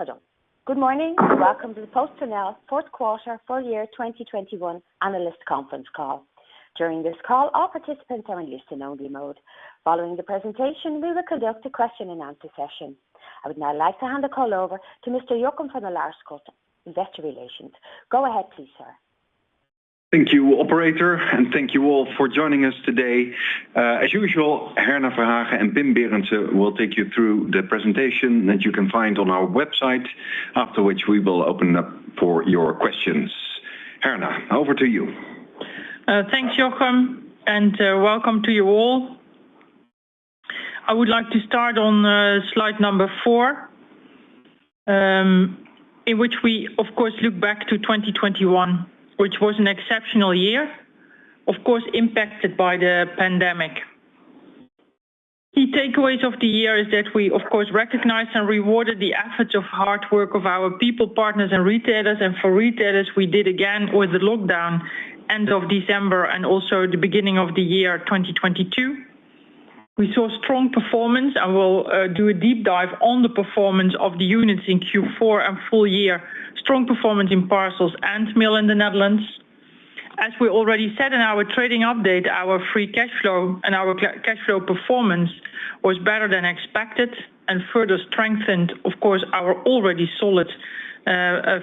Oh, pardon. Good morning, and welcome to the PostNL Fourth Quarter Full Year 2021 Analyst Conference Call. During this call, all participants are in listen only mode. Following the presentation, we will conduct a question and answer session. I would now like to hand the call over to Mr. Jochem van de Laarschot, Investor Relations. Go ahead please, sir. Thank you, operator, and thank you all for joining us today. As usual, Herna Verhagen and Pim Berendsen will take you through the presentation that you can find on our website, after which we will open up for your questions. Herna, over to you. Thanks, Jochem, and welcome to you all. I would like to start on slide number four, in which we of course look back to 2021, which was an exceptional year, of course impacted by the pandemic. Key takeaways of the year is that we of course recognized and rewarded the efforts of hard work of our people, partners and retailers. For retailers, we did again with the lockdown end of December and also the beginning of the year 2022. We saw strong performance and we'll do a deep dive on the performance of the units in Q4 and full year. Strong performance in parcels and mail in the Netherlands. As we already said in our trading update, our free cash flow and our cash flow performance was better than expected and further strengthened, of course, our already solid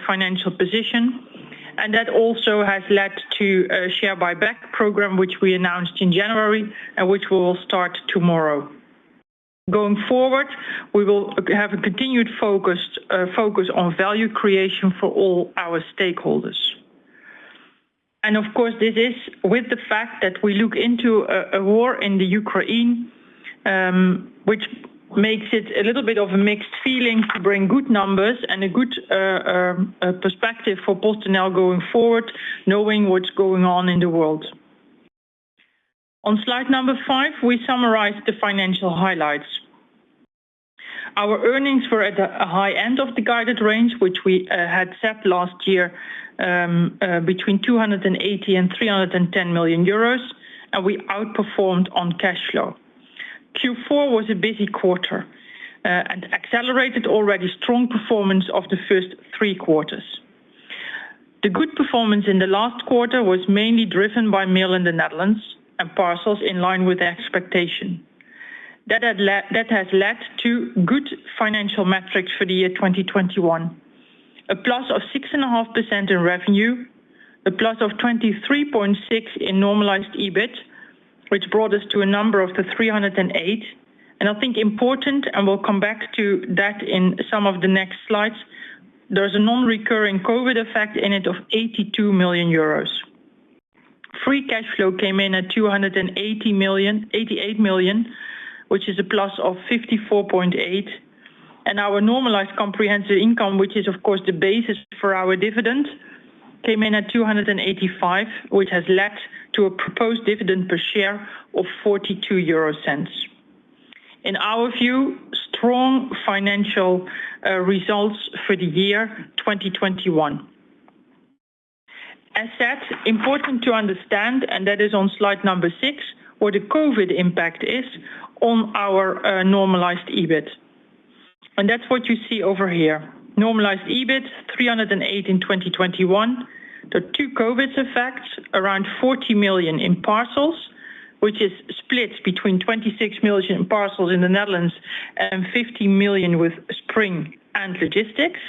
financial position. That also has led to a share buyback program which we announced in January and which we will start tomorrow. Going forward, we will have a continued focus on value creation for all our stakeholders. Of course, this is with the fact that we look into a war in Ukraine, which makes it a little bit of a mixed feeling to bring good numbers and a good perspective for PostNL going forward, knowing what's going on in the world. On slide number five, we summarize the financial highlights. Our earnings were at the high end of the guided range which we had set last year, between 280 million and 310 million euros, and we outperformed on cash flow. Q4 was a busy quarter and accelerated the already strong performance of the first three quarters. The good performance in the last quarter was mainly driven by mail in the Netherlands and parcels in line with their expectation. That has led to good financial metrics for the year 2021. A plus of 6.5% in revenue, a plus of 23.6% in normalized EBIT, which brought us to a number of 308 million. I think it's important, and we'll come back to that in some of the next slides, there's a non-recurring COVID effect in it of 82 million euros. Free cash flow came in at 288 million, which is a plus of 54.8%. Our normalized comprehensive income, which is of course the basis for our dividend, came in at 285 million, which has led to a proposed dividend per share of 0.42. In our view, strong financial results for the year 2021. As said, important to understand, and that is on slide six, where the COVID impact is on our normalized EBIT. That's what you see over here. Normalized EBIT, 308 million in 2021. The two COVID effects, around 40 million in parcels, which is split between 26 million in Parcels Netherlands and 50 million with Spring and logistics.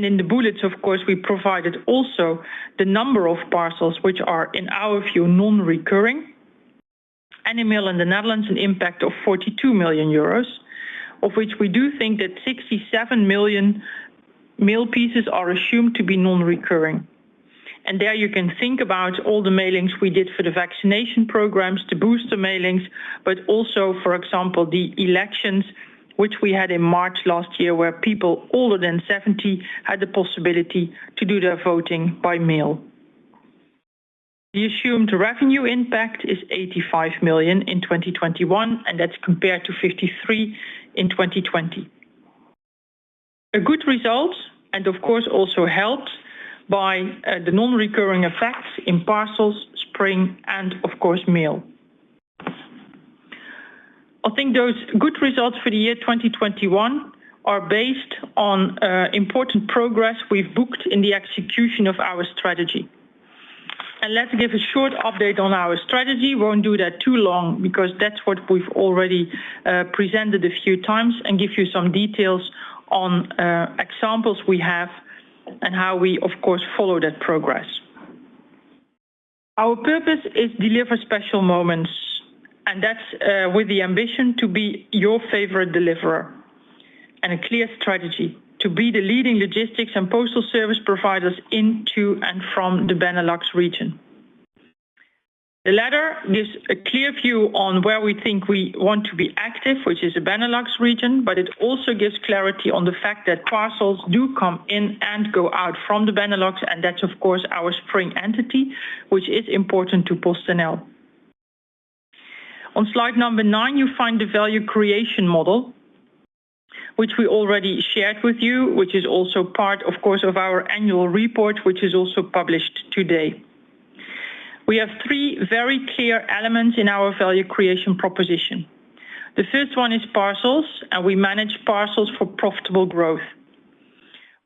In the bullets of course we provided also the number of parcels which are, in our view, non-recurring. In mail in the Netherlands, an impact of 42 million euros, of which we do think that 67 million mail pieces are assumed to be non-recurring. There you can think about all the mailings we did for the vaccination programs to boost the mailings, but also, for example, the elections which we had in March last year, where people older than 70 had the possibility to do their voting by mail. The assumed revenue impact is 85 million in 2021, and that's compared to 53 million in 2020. A good result and of course also helped by the non-recurring effects in parcels, Spring, and of course mail. I think those good results for the year 2021 are based on important progress we've booked in the execution of our strategy. Let's give a short update on our strategy. Won't do that too long because that's what we've already presented a few times, and give you some details on examples we have and how we of course follow that progress. Our purpose is deliver special moments, and that's with the ambition to be your favorite deliverer and a clear strategy to be the leading logistics and postal service providers into and from the Benelux region. The latter gives a clear view on where we think we want to be active, which is the Benelux region, but it also gives clarity on the fact that parcels do come in and go out from the Benelux, and that's of course our Spring entity, which is important to PostNL. On slide number nine, you find the value creation model which we already shared with you, which is also part, of course, of our annual report, which is also published today. We have three very clear elements in our value creation proposition. The first one is parcels, and we manage parcels for profitable growth.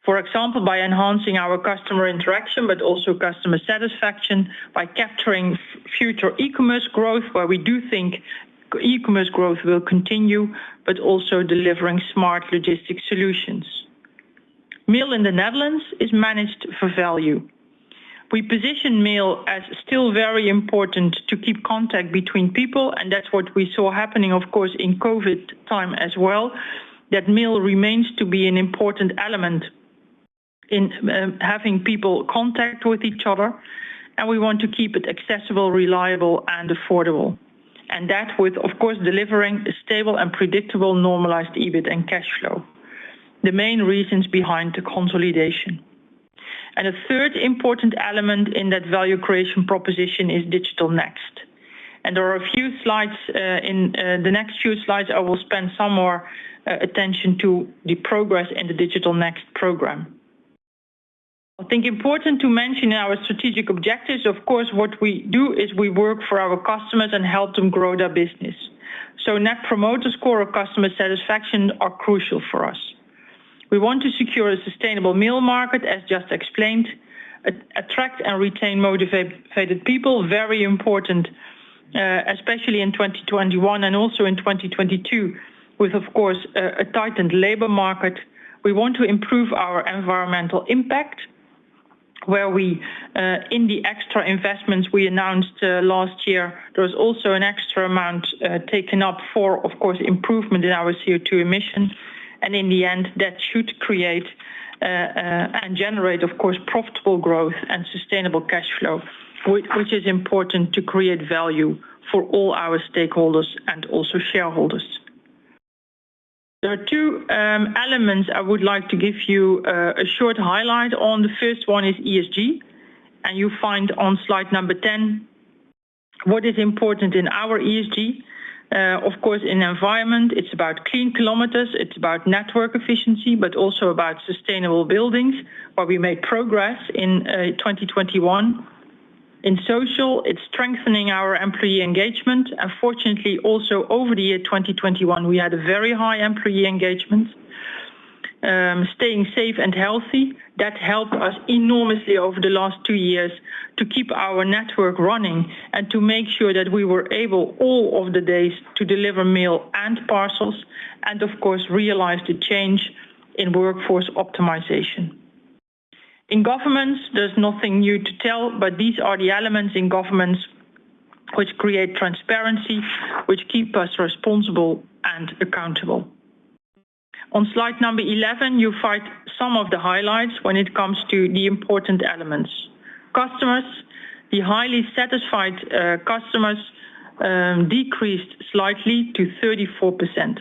For example, by enhancing our customer interaction, but also customer satisfaction by capturing future e-commerce growth, where we do think e-commerce growth will continue, but also delivering smart logistics solutions. Mail in the Netherlands is managed for value. We position mail as still very important to keep contact between people, and that's what we saw happening, of course, in COVID time as well, that mail remains to be an important element in having people contact with each other, and we want to keep it accessible, reliable, and affordable. That with, of course, delivering a stable and predictable normalized EBIT and cash flow, the main reasons behind the consolidation. A third important element in that value creation proposition is Digital Next. There are a few slides in the next few slides I will spend some more attention to the progress in the Digital Next program. I think important to mention our strategic objectives. Of course, what we do is we work for our customers and help them grow their business. Net Promoter Score or customer satisfaction are crucial for us. We want to secure a sustainable mail market, as just explained, attract and retain motivated people, very important, especially in 2021 and also in 2022 with, of course, a tightened labor market. We want to improve our environmental impact where we, in the extra investments we announced, last year, there was also an extra amount, taken up for, of course, improvement in our CO2 emission. In the end, that should create, and generate, of course, profitable growth and sustainable cash flow, which is important to create value for all our stakeholders and also shareholders. There are two elements I would like to give you a short highlight on. The first one is ESG, and you find on slide number 10 what is important in our ESG. Of course, in environment it's about clean kilometers, it's about network efficiency, but also about sustainable buildings where we make progress in, 2021. In social, it's strengthening our employee engagement. Fortunately, also over the year 2021, we had a very high employee engagement. Staying safe and healthy, that helped us enormously over the last two years to keep our network running and to make sure that we were able all of the days to deliver mail and parcels and of course realize the change in workforce optimization. In governance, there's nothing new to tell, but these are the elements in governance which create transparency, which keep us responsible and accountable. On slide number 11, you find some of the highlights when it comes to the important elements. Customers, the highly satisfied customers decreased slightly to 34%.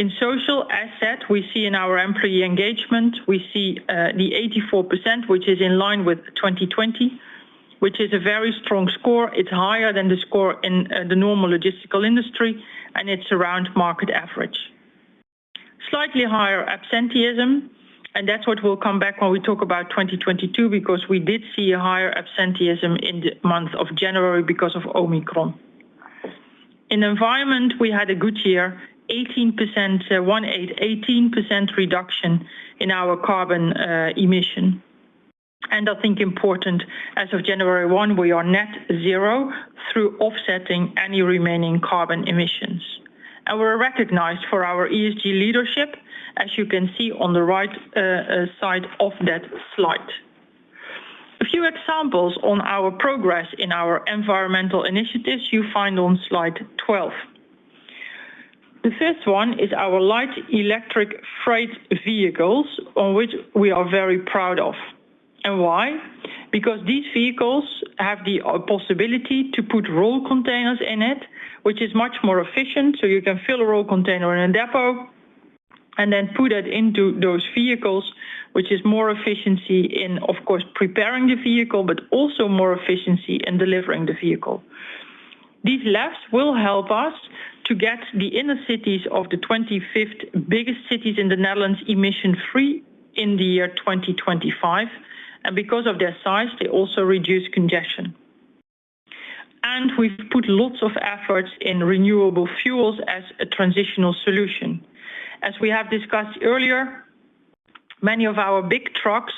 In social aspect, we see in our employee engagement the 84%, which is in line with 2020, which is a very strong score. It's higher than the score in the normal logistics industry, and it's around market average. Slightly higher absenteeism, and that's what will come back when we talk about 2022, because we did see a higher absenteeism in the month of January because of Omicron. In environment, we had a good year, 18% reduction in our carbon emission. I think important, as of January 1, we are net zero through offsetting any remaining carbon emissions. We're recognized for our ESG leadership, as you can see on the right side of that slide. A few examples on our progress in our environmental initiatives you find on slide 12. The first one is our light electric freight vehicles on which we are very proud of. Why? Because these vehicles have the possibility to put roll containers in it, which is much more efficient. You can fill a roll container in a depot and then put it into those vehicles, which is more efficiency in, of course, preparing the vehicle, but also more efficiency in delivering the vehicle. These LEFs will help us to get the inner cities of the 25th biggest cities in the Netherlands emission-free in the year 2025. Because of their size, they also reduce congestion. We've put lots of efforts in renewable fuels as a transitional solution. As we have discussed earlier, many of our big trucks,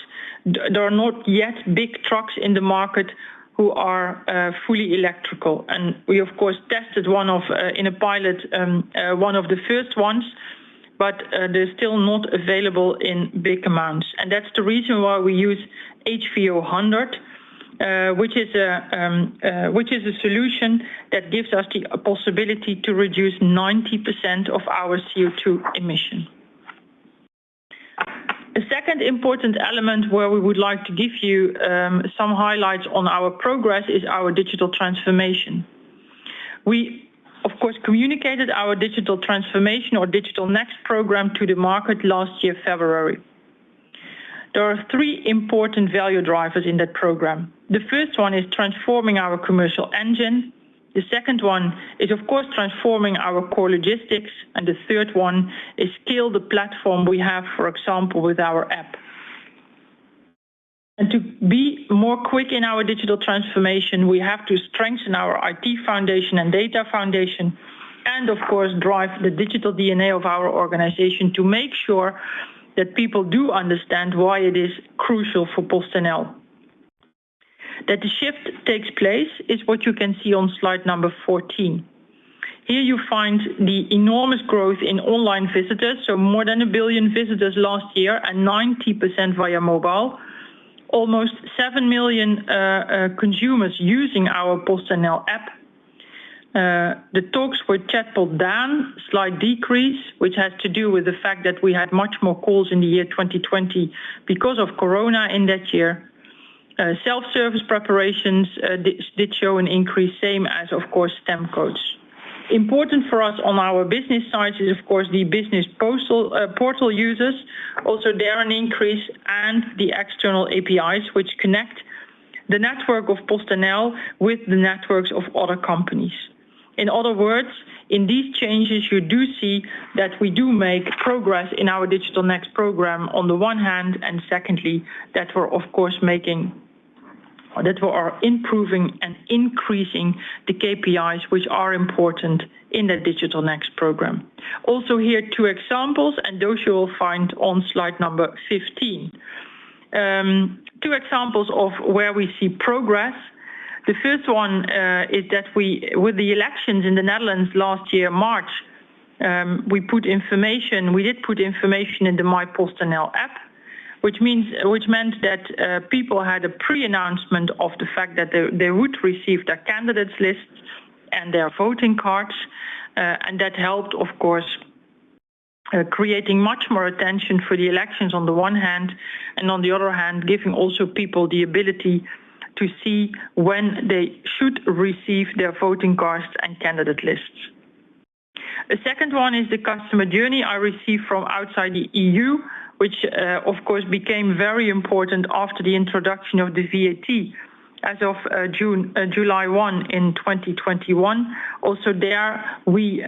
there are not yet big trucks in the market who are fully electrical. We of course tested one of the first ones, but they're still not available in big amounts. That's the reason why we use HVO100, which is a solution that gives us the possibility to reduce 90% of our CO2 emission. The second important element where we would like to give you some highlights on our progress is our digital transformation. We of course communicated our digital transformation or Digital Next program to the market last year, February. There are three important value drivers in that program. The first one is transforming our commercial engine. The second one is, of course, transforming our core logistics. The third one is scale the platform we have, for example, with our app. To be more quick in our digital transformation, we have to strengthen our IT foundation and data foundation. Of course, drive the digital DNA of our organization to make sure that people do understand why it is crucial for PostNL. That the shift takes place is what you can see on slide number 14. Here you find the enormous growth in online visitors. More than 1 billion visitors last year and 90% via mobile. Almost 7 million consumers using our PostNL app. The talks with chatbot Daan, slight decrease, which has to do with the fact that we had much more calls in the year 2020 because of corona in that year. Self-service preparations did show an increase, same as, of course, temp codes. Important for us on our business side is of course the business portal users. Also, there is an increase in the external APIs which connect the network of PostNL with the networks of other companies. In other words, in these changes, you do see that we do make progress in our Digital Next program on the one hand, and secondly, that we're of course making or that we are improving and increasing the KPIs which are important in the Digital Next program. Also here, two examples, and those you will find on slide number 15. Two examples of where we see progress. The first one is that with the elections in the Netherlands last year, March, we did put information in the My PostNL app, which meant that people had a pre-announcement of the fact that they would receive their candidates list and their voting cards. That helped, of course, creating much more attention for the elections on the one hand, and on the other hand, giving also people the ability to see when they should receive their voting cards and candidate lists. The second one is the customer journey for items received from outside the EU, which, of course, became very important after the introduction of the VAT as of July 1, 2021. Also there, we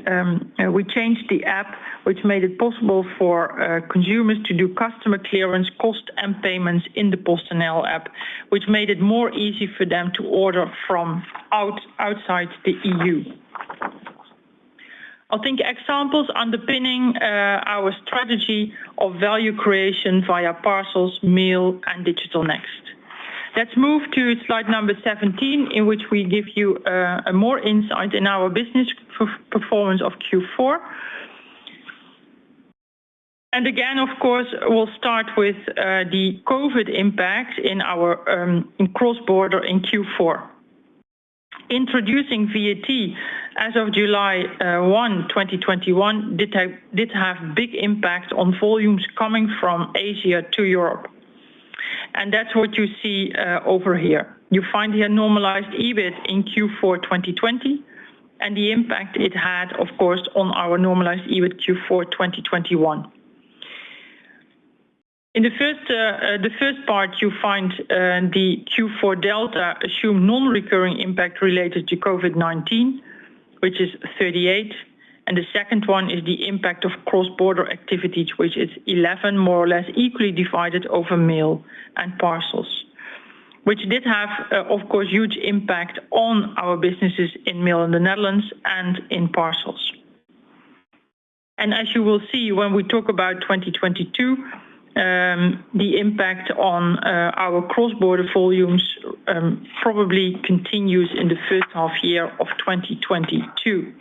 changed the app, which made it possible for consumers to do customs clearance, costs, and payments in the PostNL app, which made it more easy for them to order from outside the EU. I think examples underpinning our strategy of value creation via parcels, mail, and Digital Next. Let's move to slide number 17, in which we give you more insight into our business performance of Q4. Again, of course, we'll start with the COVID impact in our cross-border in Q4. Introducing VAT as of July 1, 2021 did have big impact on volumes coming from Asia to Europe. That's what you see over here. You find here normalized EBIT in Q4 2020, and the impact it had, of course, on our normalized EBIT Q4 2021. In the first part, you find the Q4 delta assuming non-recurring impact related to COVID-19, which is 38. The second one is the impact of cross-border activities which is 11 more or less equally divided over mail and parcels. Which did have, of course, huge impact on our businesses in mail in the Netherlands and in parcels. As you will see when we talk about 2022, the impact on our cross-border volumes probably continues in the first half year of 2022.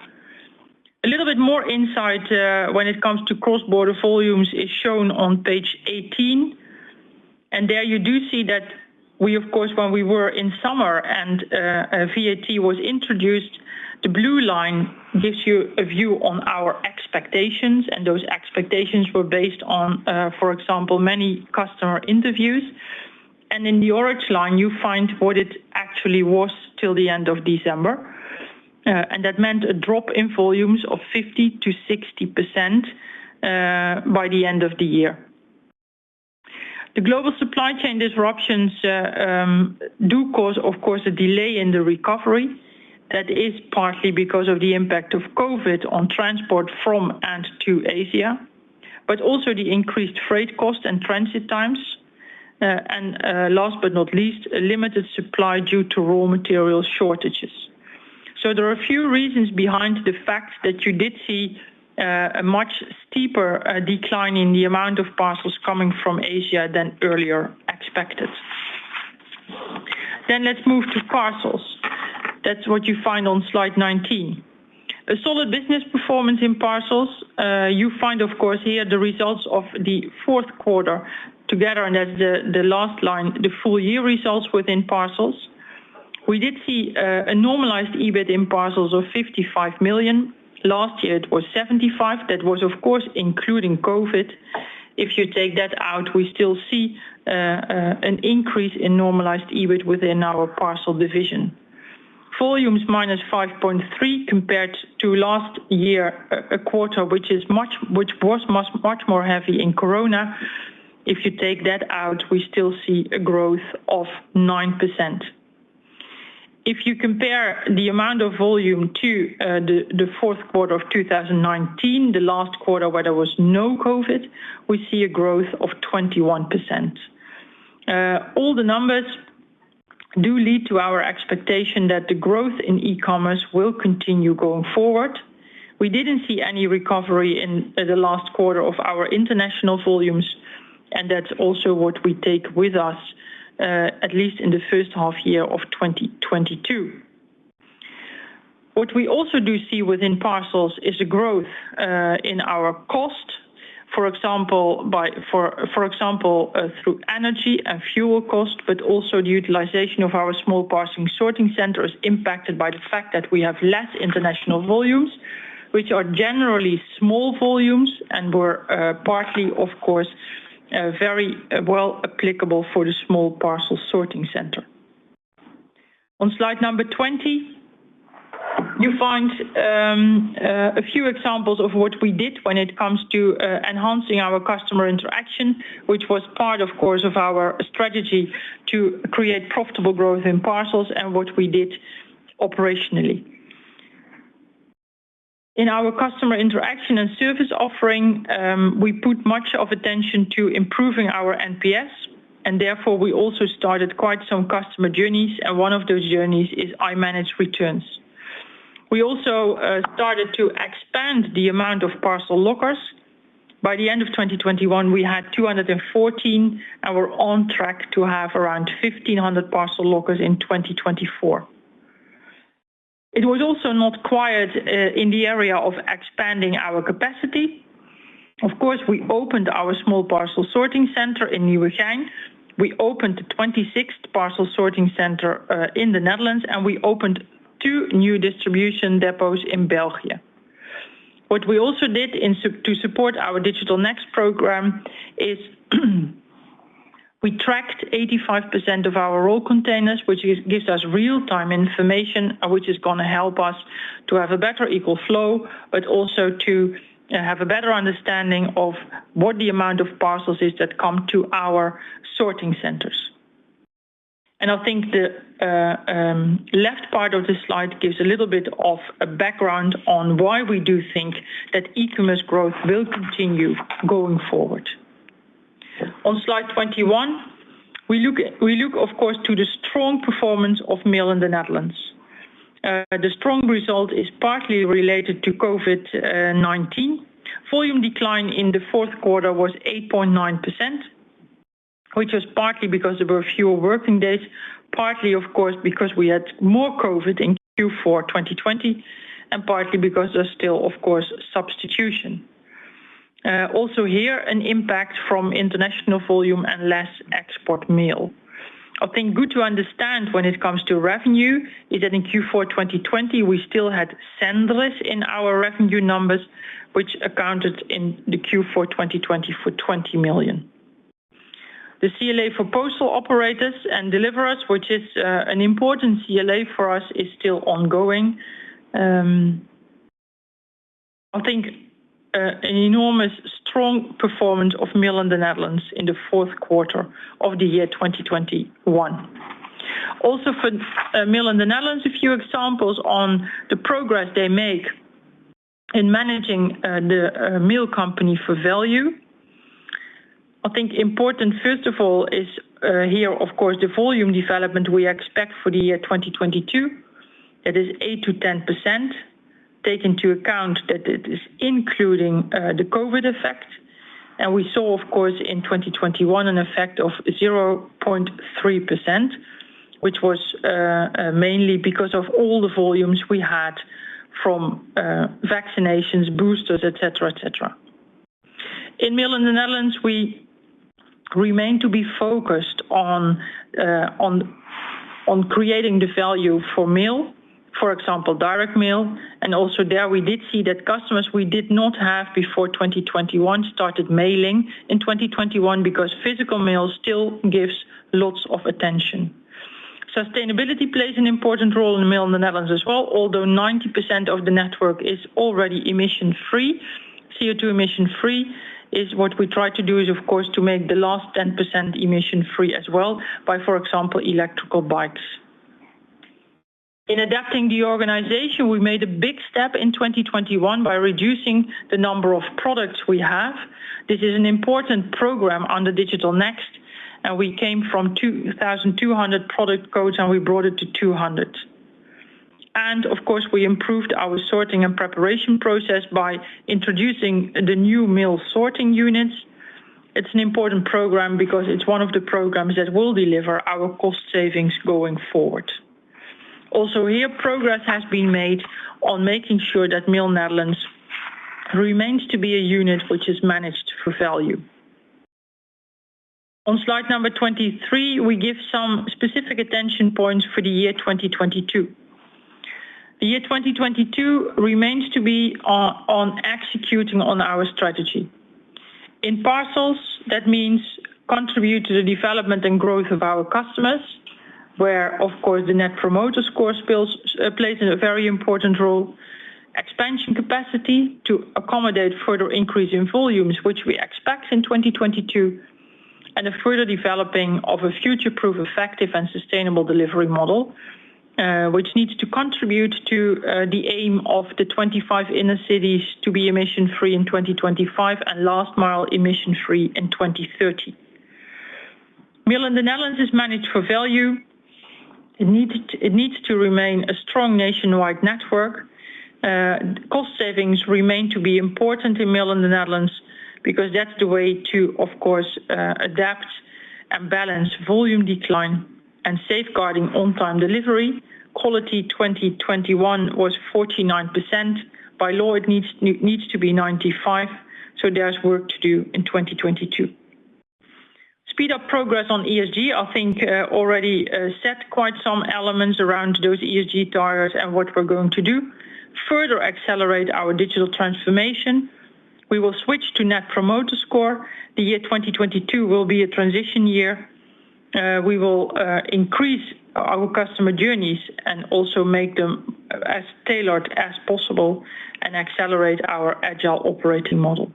A little bit more insight when it comes to cross-border volumes is shown on page 18. There you do see that we of course, when we were in summer and VAT was introduced, the blue line gives you a view on our expectations, and those expectations were based on, for example, many customer interviews. In the orange line, you find what it actually was till the end of December. That meant a drop in volumes of 50%-60% by the end of the year. The global supply chain disruptions do cause, of course, a delay in the recovery. That is partly because of the impact of COVID on transport from and to Asia. Also the increased freight cost and transit times. Last but not least, a limited supply due to raw material shortages. There are a few reasons behind the fact that you did see a much steeper decline in the amount of parcels coming from Asia than earlier expected. Let's move to parcels. That's what you find on slide 19. A solid business performance in parcels. You find, of course, here the results of the fourth quarter together, and that's the last line, the full year results within parcels. We did see a normalized EBIT in parcels of 55 million. Last year, it was 75 million. That was, of course, including COVID. If you take that out, we still see an increase in normalized EBIT within our parcel division. Volumes -5.3% compared to last year quarter, which was much more heavy in COVID. If you take that out, we still see a growth of 9%. If you compare the amount of volume to the fourth quarter of 2019, the last quarter where there was no COVID, we see a growth of 21%. All the numbers do lead to our expectation that the growth in e-commerce will continue going forward. We didn't see any recovery in the last quarter of our international volumes, and that's also what we take with us, at least in the first half year of 2022. What we also do see within parcels is a growth in our cost, for example, through energy and fuel cost, but also the utilization of our small parcels sorting center is impacted by the fact that we have less international volumes, which are generally small volumes and were partly, of course, very well applicable for the small parcels sorting center. On slide number 20, you find a few examples of what we did when it comes to enhancing our customer interaction, which was part, of course, of our strategy to create profitable growth in parcels and what we did operationally. In our customer interaction and service offering, we put much of attention to improving our NPS, and therefore, we also started quite some customer journeys, and one of those journeys is I Manage Returns. We also started to expand the amount of parcel lockers. By the end of 2021, we had 214, and we're on track to have around 1,500 parcel lockers in 2024. It was also not quiet in the area of expanding our capacity. Of course, we opened our small parcels sorting center in Nieuwegein. We opened the 26th parcel sorting center in the Netherlands, and we opened two new distribution depots in Belgium. What we also did to support our Digital Next program is, we tracked 85% of our roll containers, which gives us real-time information, which is gonna help us to have a better equal flow, but also to have a better understanding of what the amount of parcels is that come to our sorting centers. I think the left part of this slide gives a little bit of a background on why we do think that e-commerce growth will continue going forward. On slide 21, we look, of course, to the strong performance of Mail in the Netherlands. The strong result is partly related to COVID-19. Volume decline in the fourth quarter was 8.9%, which was partly because there were fewer working days, partly, of course, because we had more COVID in Q4 2020, and partly because there's still, of course, substitution. Also here, an impact from international volume and less export mail. I think good to understand when it comes to revenue is that in Q4 2020, we still had Sandd in our revenue numbers, which accounted in the Q4 2020 for 20 million. The CLA for postal operators and deliverers, which is an important CLA for us, is still ongoing. I think enormously strong performance of Mail in the Netherlands in the fourth quarter of the year 2021. Also for Mail in the Netherlands, a few examples on the progress they make in managing the Mail company for value. I think important, first of all, is here, of course, the volume development we expect for the year 2022. That is 8%-10%. Take into account that it is including the COVID effect. We saw, of course, in 2021 an effect of 0.3%, which was mainly because of all the volumes we had from vaccinations, boosters, et cetera, et cetera. In Mail in the Netherlands, we remain to be focused on creating the value for Mail, for example, direct mail, and also there we did see that customers we did not have before 2021 started mailing in 2021 because physical mail still gives lots of attention. Sustainability plays an important role in Mail in the Netherlands as well. Although 90% of the network is already emission-free, CO2 emission-free. What we try to do is, of course, to make the last 10% emission-free as well by, for example, electric bikes. In adapting the organization, we made a big step in 2021 by reducing the number of products we have. This is an important program on the Digital Next, and we came from 2,200 product codes, and we brought it to 200. Of course, we improved our sorting and preparation process by introducing the new Mail sorting units. It's an important program because it's one of the programs that will deliver our cost savings going forward. Also here, progress has been made on making sure that Mail Netherlands remains to be a unit which is managed for value. On slide number 23, we give some specific attention points for the year 2022. The year 2022 remains to be on executing on our strategy. In parcels, that means contribute to the development and growth of our customers, where, of course, the Net Promoter Score still plays a very important role. Expansion capacity to accommodate further increase in volumes, which we expect in 2022, and a further developing of a future-proof, effective and sustainable delivery model, which needs to contribute to the aim of the 25 inner cities to be emission-free in 2025 and last mile emission-free in 2030. Mail in the Netherlands is managed for value. It needs to remain a strong nationwide network. Cost savings remain to be important in Mail in the Netherlands because that's the way to, of course, adapt and balance volume decline and safeguarding on-time delivery. Quality 2021 was 49%. By law, it needs to be 95%, so there's work to do in 2022. Speed up progress on ESG, I think, already set quite some elements around those ESG tiers and what we're going to do. Further accelerate our digital transformation. We will switch to Net Promoter Score. The year 2022 will be a transition year. We will increase our customer journeys and also make them as tailored as possible and accelerate our agile operating model.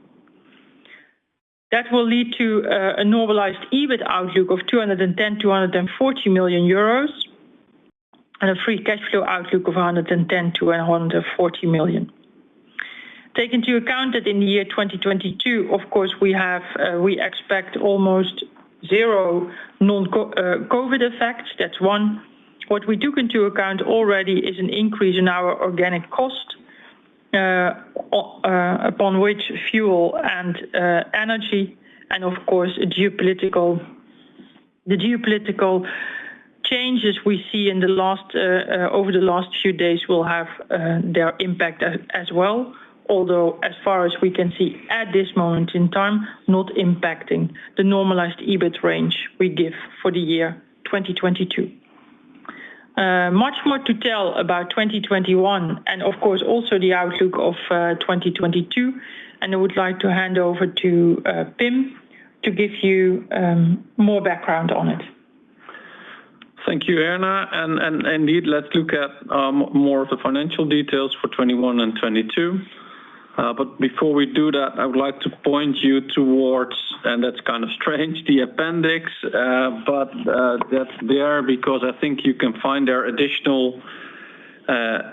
That will lead to a normalized EBIT outlook of 210 million-240 million euros and a free cash flow outlook of 110 million-140 million. Take into account that in the year 2022, of course, we expect almost zero non-COVID effects. That's one. What we took into account already is an increase in our organic cost upon which fuel and energy and of course geopolitical. The geopolitical changes we see over the last few days will have their impact as well. Although, as far as we can see at this moment in time, not impacting the normalized EBIT range we give for the year 2022. Much more to tell about 2021 and of course, also the outlook of 2022, and I would like to hand over to Pim to give you more background on it. Thank you, Herna, indeed, let's look at more of the financial details for 2021 and 2022. But before we do that, I would like to point you towards, and that's kind of strange, the appendix, but that's there because I think you can find our additional,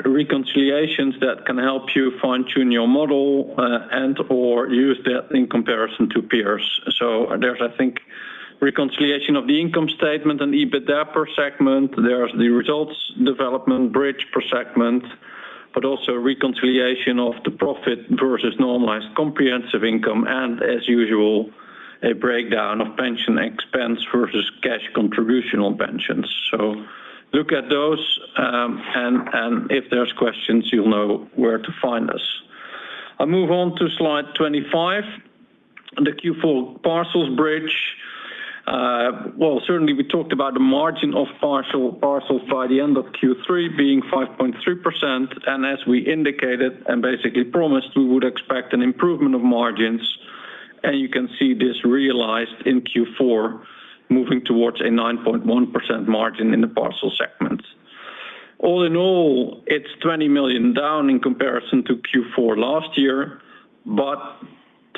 reconciliations that can help you fine-tune your model, and or use that in comparison to peers. There's, I think, reconciliation of the income statement and EBITDA per segment. There's the results development bridge per segment, but also reconciliation of the profit versus normalized comprehensive income and as usual, a breakdown of pension expense versus cash contribution on pensions. Look at those, if there's questions, you'll know where to find us. I move on to slide 25, the Q4 parcels bridge. Well, certainly we talked about the margin of parcel, parcels by the end of Q3 being 5.3%, and as we indicated and basically promised, we would expect an improvement of margins, and you can see this realized in Q4, moving towards a 9.1% margin in the parcel segment. All in all, it's 20 million down in comparison to Q4 last year, but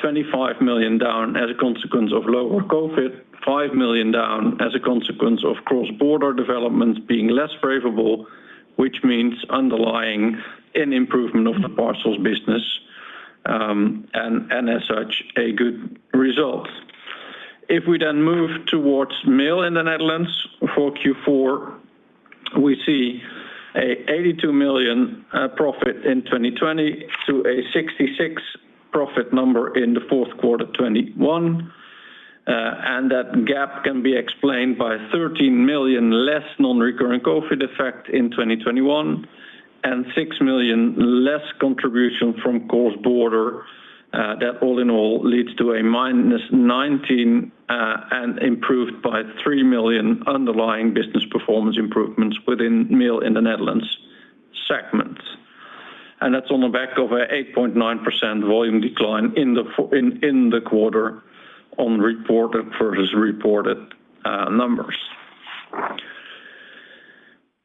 25 million down as a consequence of lower COVID, 5 million down as a consequence of cross-border development being less favorable, which means underlying an improvement of the parcels business, and as such, a good result. If we then move towards Mail in the Netherlands for Q4, we see a 82 million profit in 2020 to a 66 profit number in the fourth quarter 2021, and that gap can be explained by 13 million less non-recurring COVID effect in 2021 and 6 million less contribution from cross-border. That all in all leads to a minus 19, and improved by 3 million underlying business performance improvements within Mail in the Netherlands segment. That's on the back of a 8.9% volume decline in the quarter on reported versus reported numbers.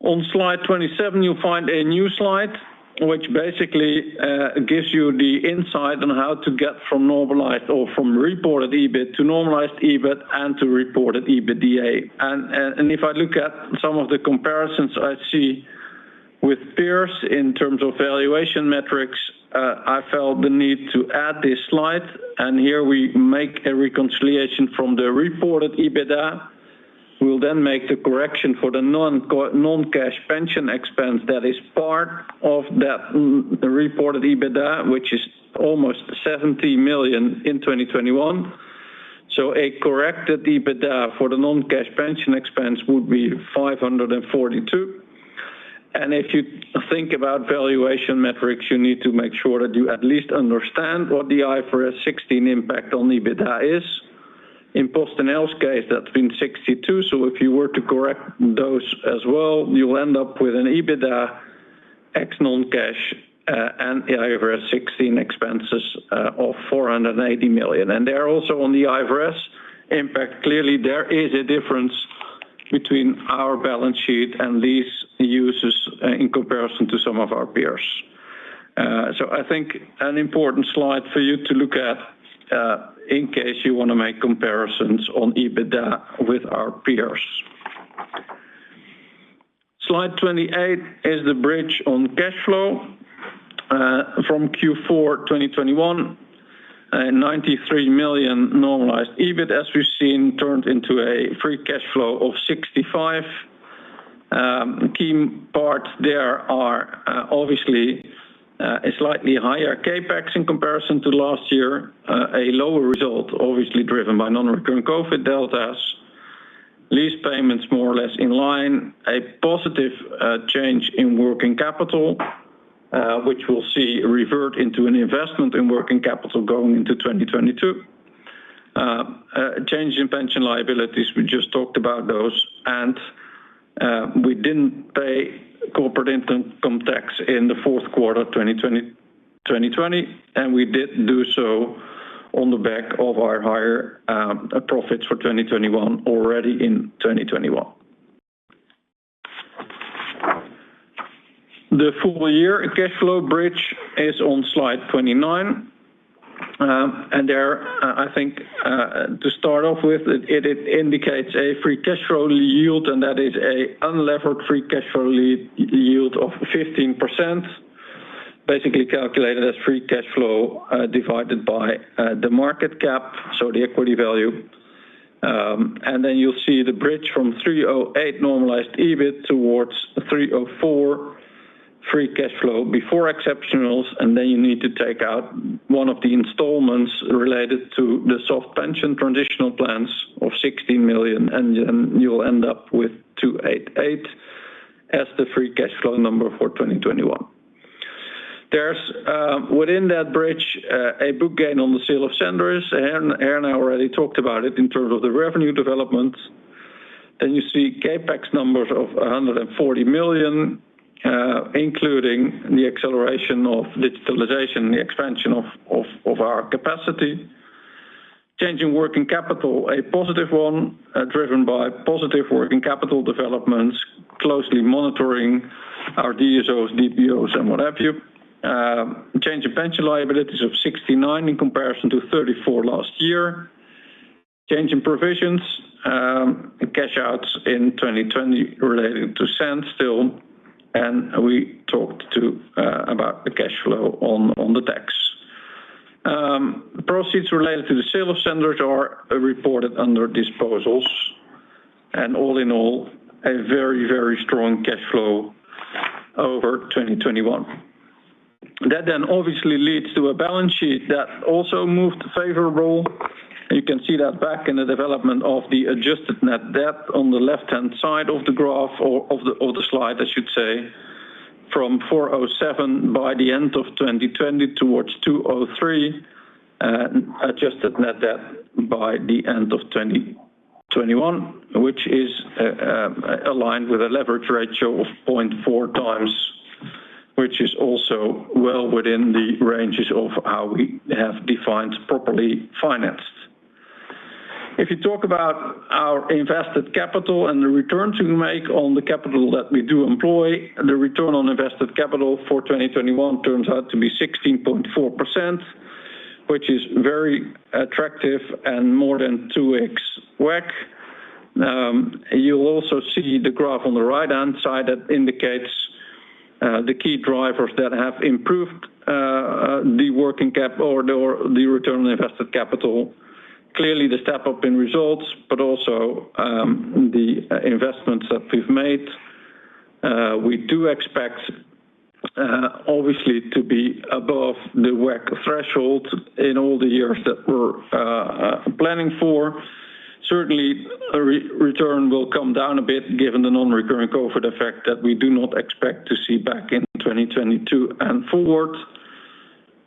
On slide 27, you'll find a new slide, which basically gives you the insight on how to get from normalized or from reported EBIT to normalized EBIT and to reported EBITDA. If I look at some of the comparisons I see with peers in terms of valuation metrics, I felt the need to add this slide. Here we make a reconciliation from the reported EBITDA. We'll then make the correction for the non-cash pension expense that is part of that reported EBITDA, which is almost 70 million in 2021. A corrected EBITDA for the non-cash pension expense would be 542 million, and if you think about valuation metrics, you need to make sure that you at least understand what the IFRS 16 impact on EBITDA is. In PostNL's case, that's been 62 million, so if you were to correct those as well, you'll end up with an EBITDA ex non-cash and the IFRS 16 expenses of 480 million. They are also on the IFRS impact. Clearly, there is a difference between our balance sheet and these uses in comparison to some of our peers. I think an important slide for you to look at, in case you wanna make comparisons on EBITDA with our peers. Slide 28 is the bridge on cash flow from Q4 2021. 93 million normalized EBIT, as we've seen, turned into a free cash flow of 65 million. Key parts there are, obviously, a slightly higher CapEx in comparison to last year. A lower result, obviously driven by non-recurring COVID deltas. Lease payments more or less in line. A positive change in working capital, which we'll see revert into an investment in working capital going into 2022. Change in pension liabilities, we just talked about those. We didn't pay corporate income tax in the fourth quarter 2020, and we did do so on the back of our higher profits for 2021 already in 2021. The full year cash flow bridge is on slide 29. There, I think, to start off with, it indicates a free cash flow yield, and that is a unlevered free cash flow yield of 15%, basically calculated as free cash flow divided by the market cap, so the equity value. You'll see the bridge from 308 normalized EBIT towards 304 free cash flow before exceptionals, and then you need to take out one of the installments related to the soft pension transitional plans of 60 million, and you'll end up with 288 as the free cash flow number for 2021. There's within that bridge a book gain on the sale of Cendris. Herna already talked about it in terms of the revenue development. You see CapEx numbers of 140 million, including the acceleration of digitalization, the expansion of our capacity. Change in working capital, a positive one, driven by positive working capital developments, closely monitoring our DSOs, DPOs, and what have you. Change in pension liabilities of 69 in comparison to 34 last year. Change in provisions, cash outflows in 2020 related to Sandd. We talked about the cash flow on the tax. The proceeds related to the sale of Cendris are reported under disposals. All in all, a very, very strong cash flow over 2021. That obviously leads to a balance sheet that also moved favorable. You can see that back in the development of the adjusted net debt on the left-hand side of the graph or the slide, I should say, from 407 by the end of 2020 towards 203 adjusted net debt by the end of 2021, which is aligned with a leverage ratio of 0.4x, which is also well within the ranges of how we have defined properly financed. If you talk about our invested capital and the returns we make on the capital that we do employ, the return on invested capital for 2021 turns out to be 16.4%, which is very attractive and more than 2x WACC. You'll also see the graph on the right-hand side that indicates the key drivers that have improved the working capital or the return on invested capital. Clearly, the step-up in results, but also the investments that we've made. We do expect obviously to be above the WACC threshold in all the years that we're planning for. Certainly, a return will come down a bit given the non-recurring COVID effect that we do not expect to see back in 2022 and forward.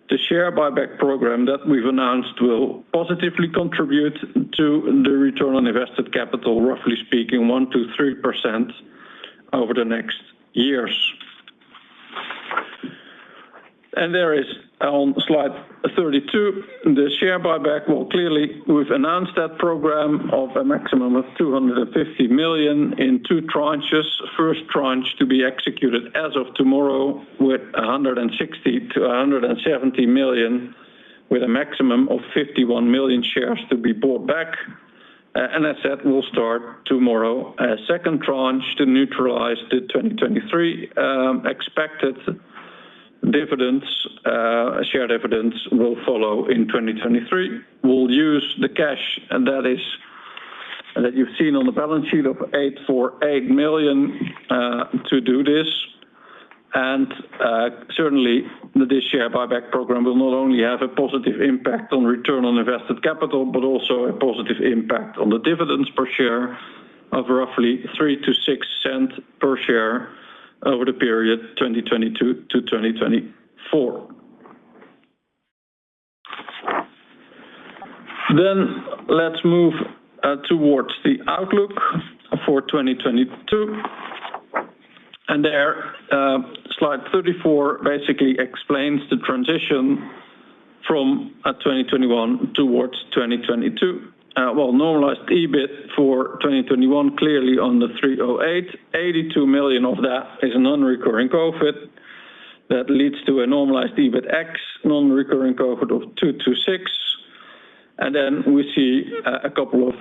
The share buyback program that we've announced will positively contribute to the return on invested capital, roughly speaking 1%-3% over the next years. There is on slide 32, the share buyback. Well, clearly, we've announced that program of a maximum of 250 million in two tranches. First tranche to be executed as of tomorrow with 160 million-170 million, with a maximum of 51 million shares to be bought back. As I said, we'll start tomorrow. A second tranche to neutralize the 2023 expected dividends, share dividends will follow in 2023. We'll use the cash, and that is that you've seen on the balance sheet of 848 million to do this. Certainly this share buyback program will not only have a positive impact on return on invested capital, but also a positive impact on the dividends per share of roughly 3-6 cents per share over the period 2022-2024. Let's move towards the outlook for 2022. There, slide 34 basically explains the transition from 2021 towards 2022. Normalized EBIT for 2021 clearly on the 308. 82 million of that is non-recurring COVID. That leads to a normalized EBIT ex non-recurring COVID of 226. Then we see a couple of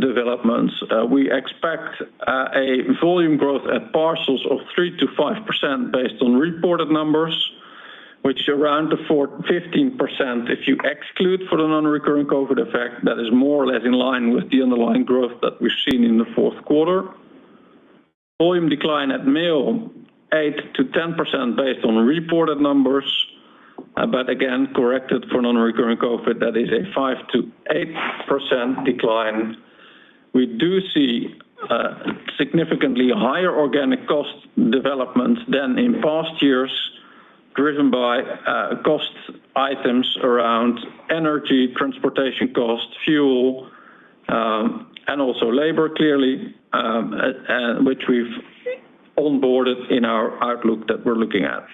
developments. We expect a volume growth at parcels of 3%-5% based on reported numbers, which is around the 4%-15% if you exclude the non-recurring COVID effect, that is more or less in line with the underlying growth that we've seen in the fourth quarter. Volume decline at mail, 8%-10% based on reported numbers. Again, corrected for non-recurring COVID, that is a 5%-8% decline. We do see significantly higher organic cost development than in past years, driven by cost items around energy, transportation costs, fuel, and also labor clearly, and which we've onboarded in our outlook that we're looking at.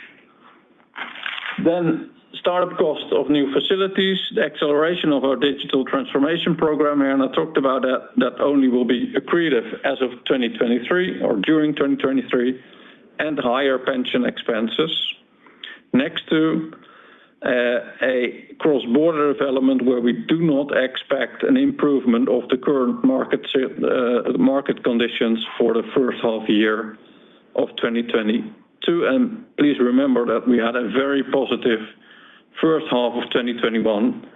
Startup cost of new facilities, the acceleration of our digital transformation program, and I talked about that only will be accretive as of 2023 or during 2023, and higher pension expenses. Next to a cross-border development where we do not expect an improvement of the current market conditions for the first half year of 2022. Please remember that we had a very positive first half of 2021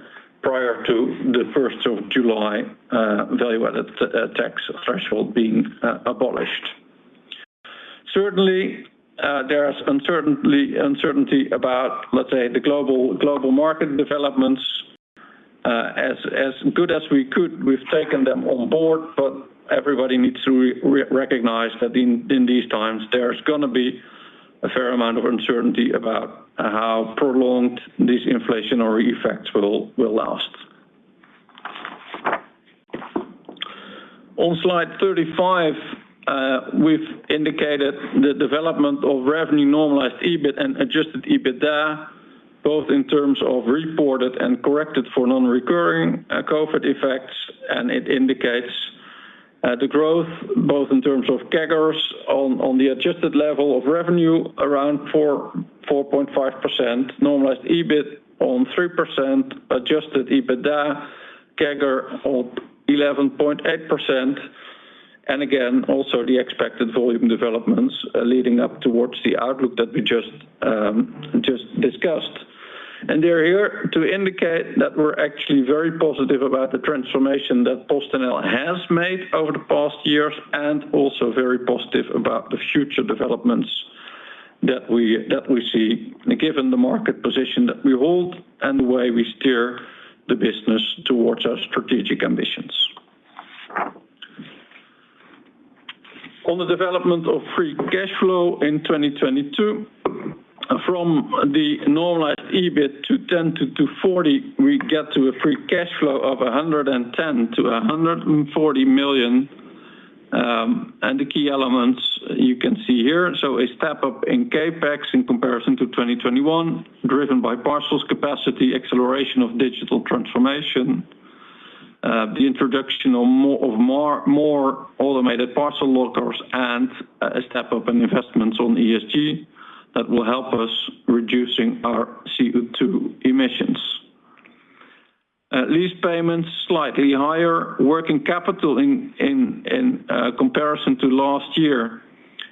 prior to the first of July, value-added tax threshold being abolished. Certainly, there is uncertainty about, let's say, the global market developments. As good as we could, we've taken them on board, but everybody needs to recognize that in these times, there's gonna be a fair amount of uncertainty about how prolonged these inflationary effects will last. On slide 35, we've indicated the development of revenue normalized EBIT and adjusted EBITDA, both in terms of reported and corrected for non-recurring COVID effects, and it indicates the growth, both in terms of CAGRs on the adjusted level of revenue around 4.5%, normalized EBIT on 3%, adjusted EBITDA CAGR of 11.8%. Again, also the expected volume developments leading up towards the outlook that we just discussed. They're here to indicate that we're actually very positive about the transformation that PostNL has made over the past years, and also very positive about the future developments that we see, given the market position that we hold and the way we steer the business towards our strategic ambitions. On the development of free cash flow in 2022, from the normalized EBIT of 10 million-240 million, we get to a free cash flow of 110 million-140 million, and the key elements you can see here. A step-up in CapEx in comparison to 2021, driven by parcels capacity, acceleration of digital transformation, the introduction of more automated parcel lockers, and a step-up in investments on ESG that will help us reducing our CO2 emissions. Lease payments slightly higher. Working capital in comparison to last year.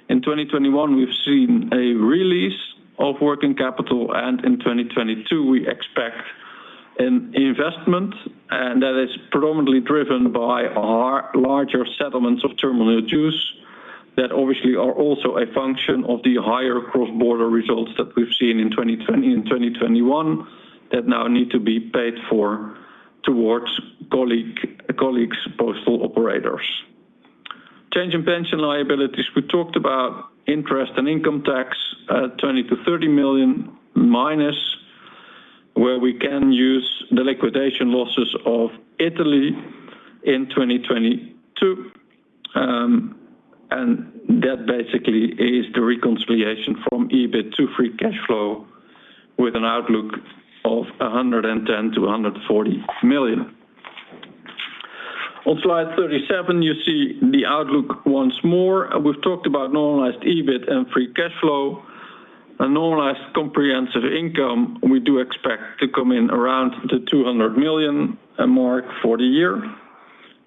In 2021, we've seen a release of working capital, and in 2022, we expect an investment, and that is predominantly driven by our larger settlements of terminal dues that obviously are also a function of the higher cross-border results that we've seen in 2020 and 2021 that now need to be paid for towards colleague's postal operators. Change in pension liabilities. We talked about interest and income tax, -20-30 million, where we can use the liquidation losses of Italy in 2022. That basically is the reconciliation from EBIT to free cash flow with an outlook of 110-140 million. On slide 37, you see the outlook once more. We've talked about normalized EBIT and free cash flow. A normalized comprehensive income we do expect to come in around 200 million for the year,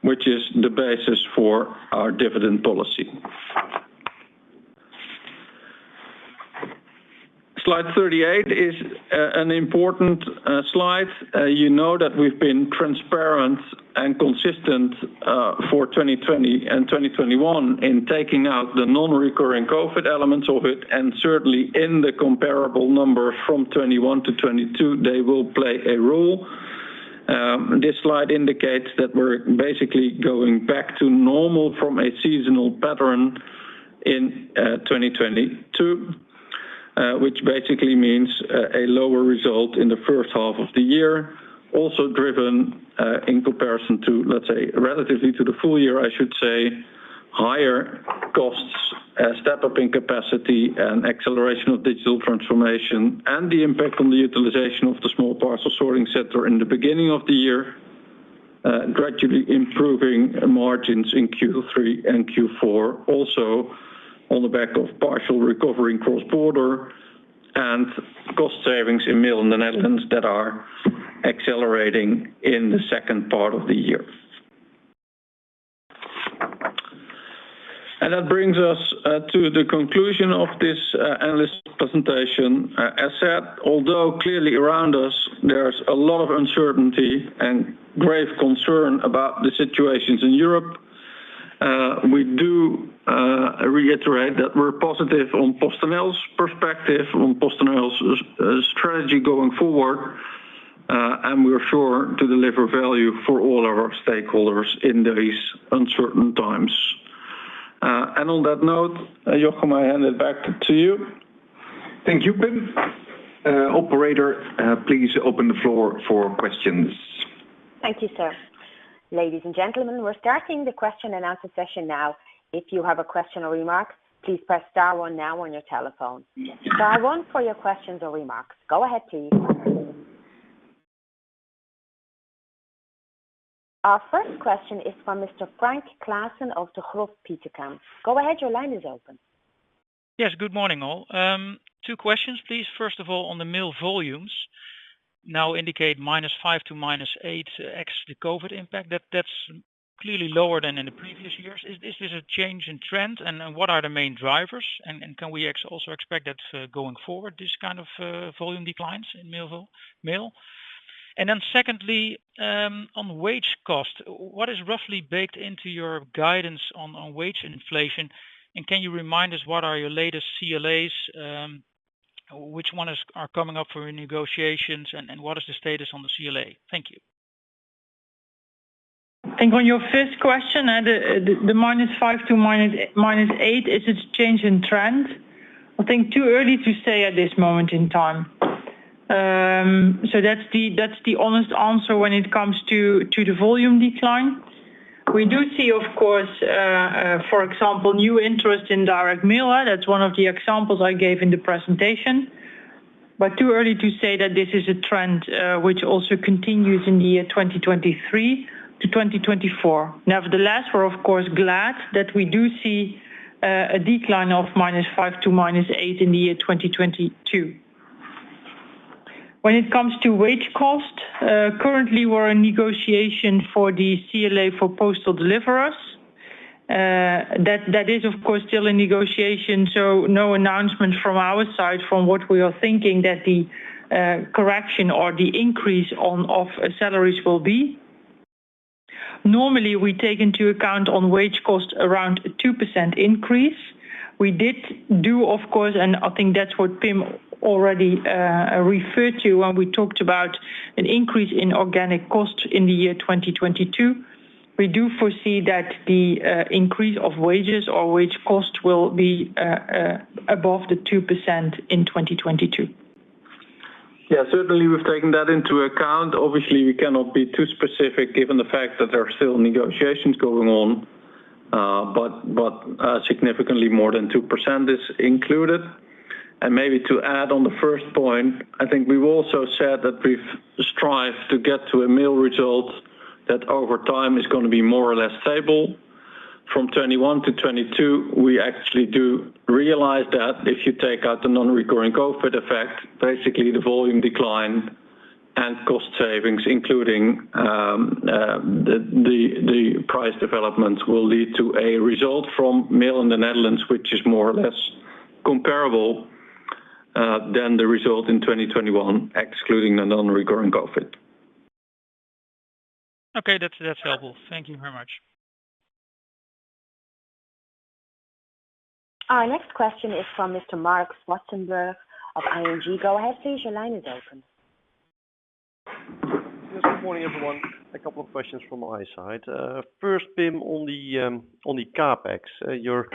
which is the basis for our dividend policy. Slide 38 is an important slide. You know that we've been transparent and consistent for 2020 and 2021 in taking out the non-recurring COVID elements of it, and certainly in the comparable number from 2021 to 2022, they will play a role. This slide indicates that we're basically going back to normal from a seasonal pattern in 2022, which basically means a lower result in the first half of the year. Driven, in comparison to, let's say, relatively to the full year, I should say, higher costs as step up in capacity and acceleration of digital transformation and the impact on the utilization of the small parcels sorting centre in the beginning of the year, gradually improving margins in Q3 and Q4, also on the back of partial recovery cross-border and cost savings in Mail in the Netherlands that are accelerating in the second part of the year. That brings us to the conclusion of this analyst presentation. As said, although clearly around us, there's a lot of uncertainty and grave concern about the situations in Europe, we do reiterate that we're positive on PostNL's perspective, on PostNL's strategy going forward, and we are sure to deliver value for all our stakeholders in these uncertain times. On that note, Jochem, I hand it back to you. Thank you, Pim. Operator, please open the floor for questions. Thank you, sir. Ladies and gentlemen, we're starting the question and answer session now. If you have a question or remark, please press star one now on your telephone. Star one for your questions or remarks. Go ahead please. Our first question is from Mr. Frank Claassen of Degroof Petercam. Go ahead, your line is open. Yes. Good morning, all. Two questions, please. First of all, on the mail volumes now indicate -5% to -8% ex the COVID impact. That's clearly lower than in the previous years. Is this a change in trend? And what are the main drivers? And can we also expect that, going forward, this kind of volume declines in mail? Then second, on wage cost. What is roughly baked into your guidance on wage and inflation? And can you remind us what are your latest CLAs? Which one is, are coming up for negotiations? And what is the status on the CLA? Thank you. I think on your first question, the -5% to -8%, is this change in trend? I think it's too early to say at this moment in time. That's the honest answer when it comes to the volume decline. We do see, of course, for example, new interest in direct mail. That's one of the examples I gave in the presentation. It's too early to say that this is a trend, which also continues in the year 2023-2024. Nevertheless, we're of course glad that we do see a decline of -5% to -8% in the year 2022. When it comes to wage cost, currently we're in negotiation for the CLA for postal deliverers. That is, of course, still in negotiation, so no announcement from our side from what we are thinking that the correction or the increase of salaries will be. Normally, we take into account on wage cost around 2% increase. We did do, of course, and I think that's what Pim already referred to when we talked about an increase in organic costs in the year 2022. We do foresee that the increase of wages or wage costs will be above the 2% in 2022. Yeah. Certainly we've taken that into account. Obviously, we cannot be too specific given the fact that there are still negotiations going on. But significantly more than 2% is included. Maybe to add on the first point, I think we've also said that we've strived to get to a Mail result that over time is gonna be more or less stable. From 2021 to 2022, we actually do realize that if you take out the non-recurring COVID effect, basically the volume decline and cost savings, including the price developments, will lead to a result from Mail in the Netherlands, which is more or less comparable than the result in 2021, excluding the non-recurring COVID. Okay. That's helpful. Thank you very much. Our next question is from Mr. Marc Zwartsenburg of ING. Go ahead please. Your line is open. Yes. Good morning, everyone. A couple of questions from my side. First, Pim, on the CapEx. You're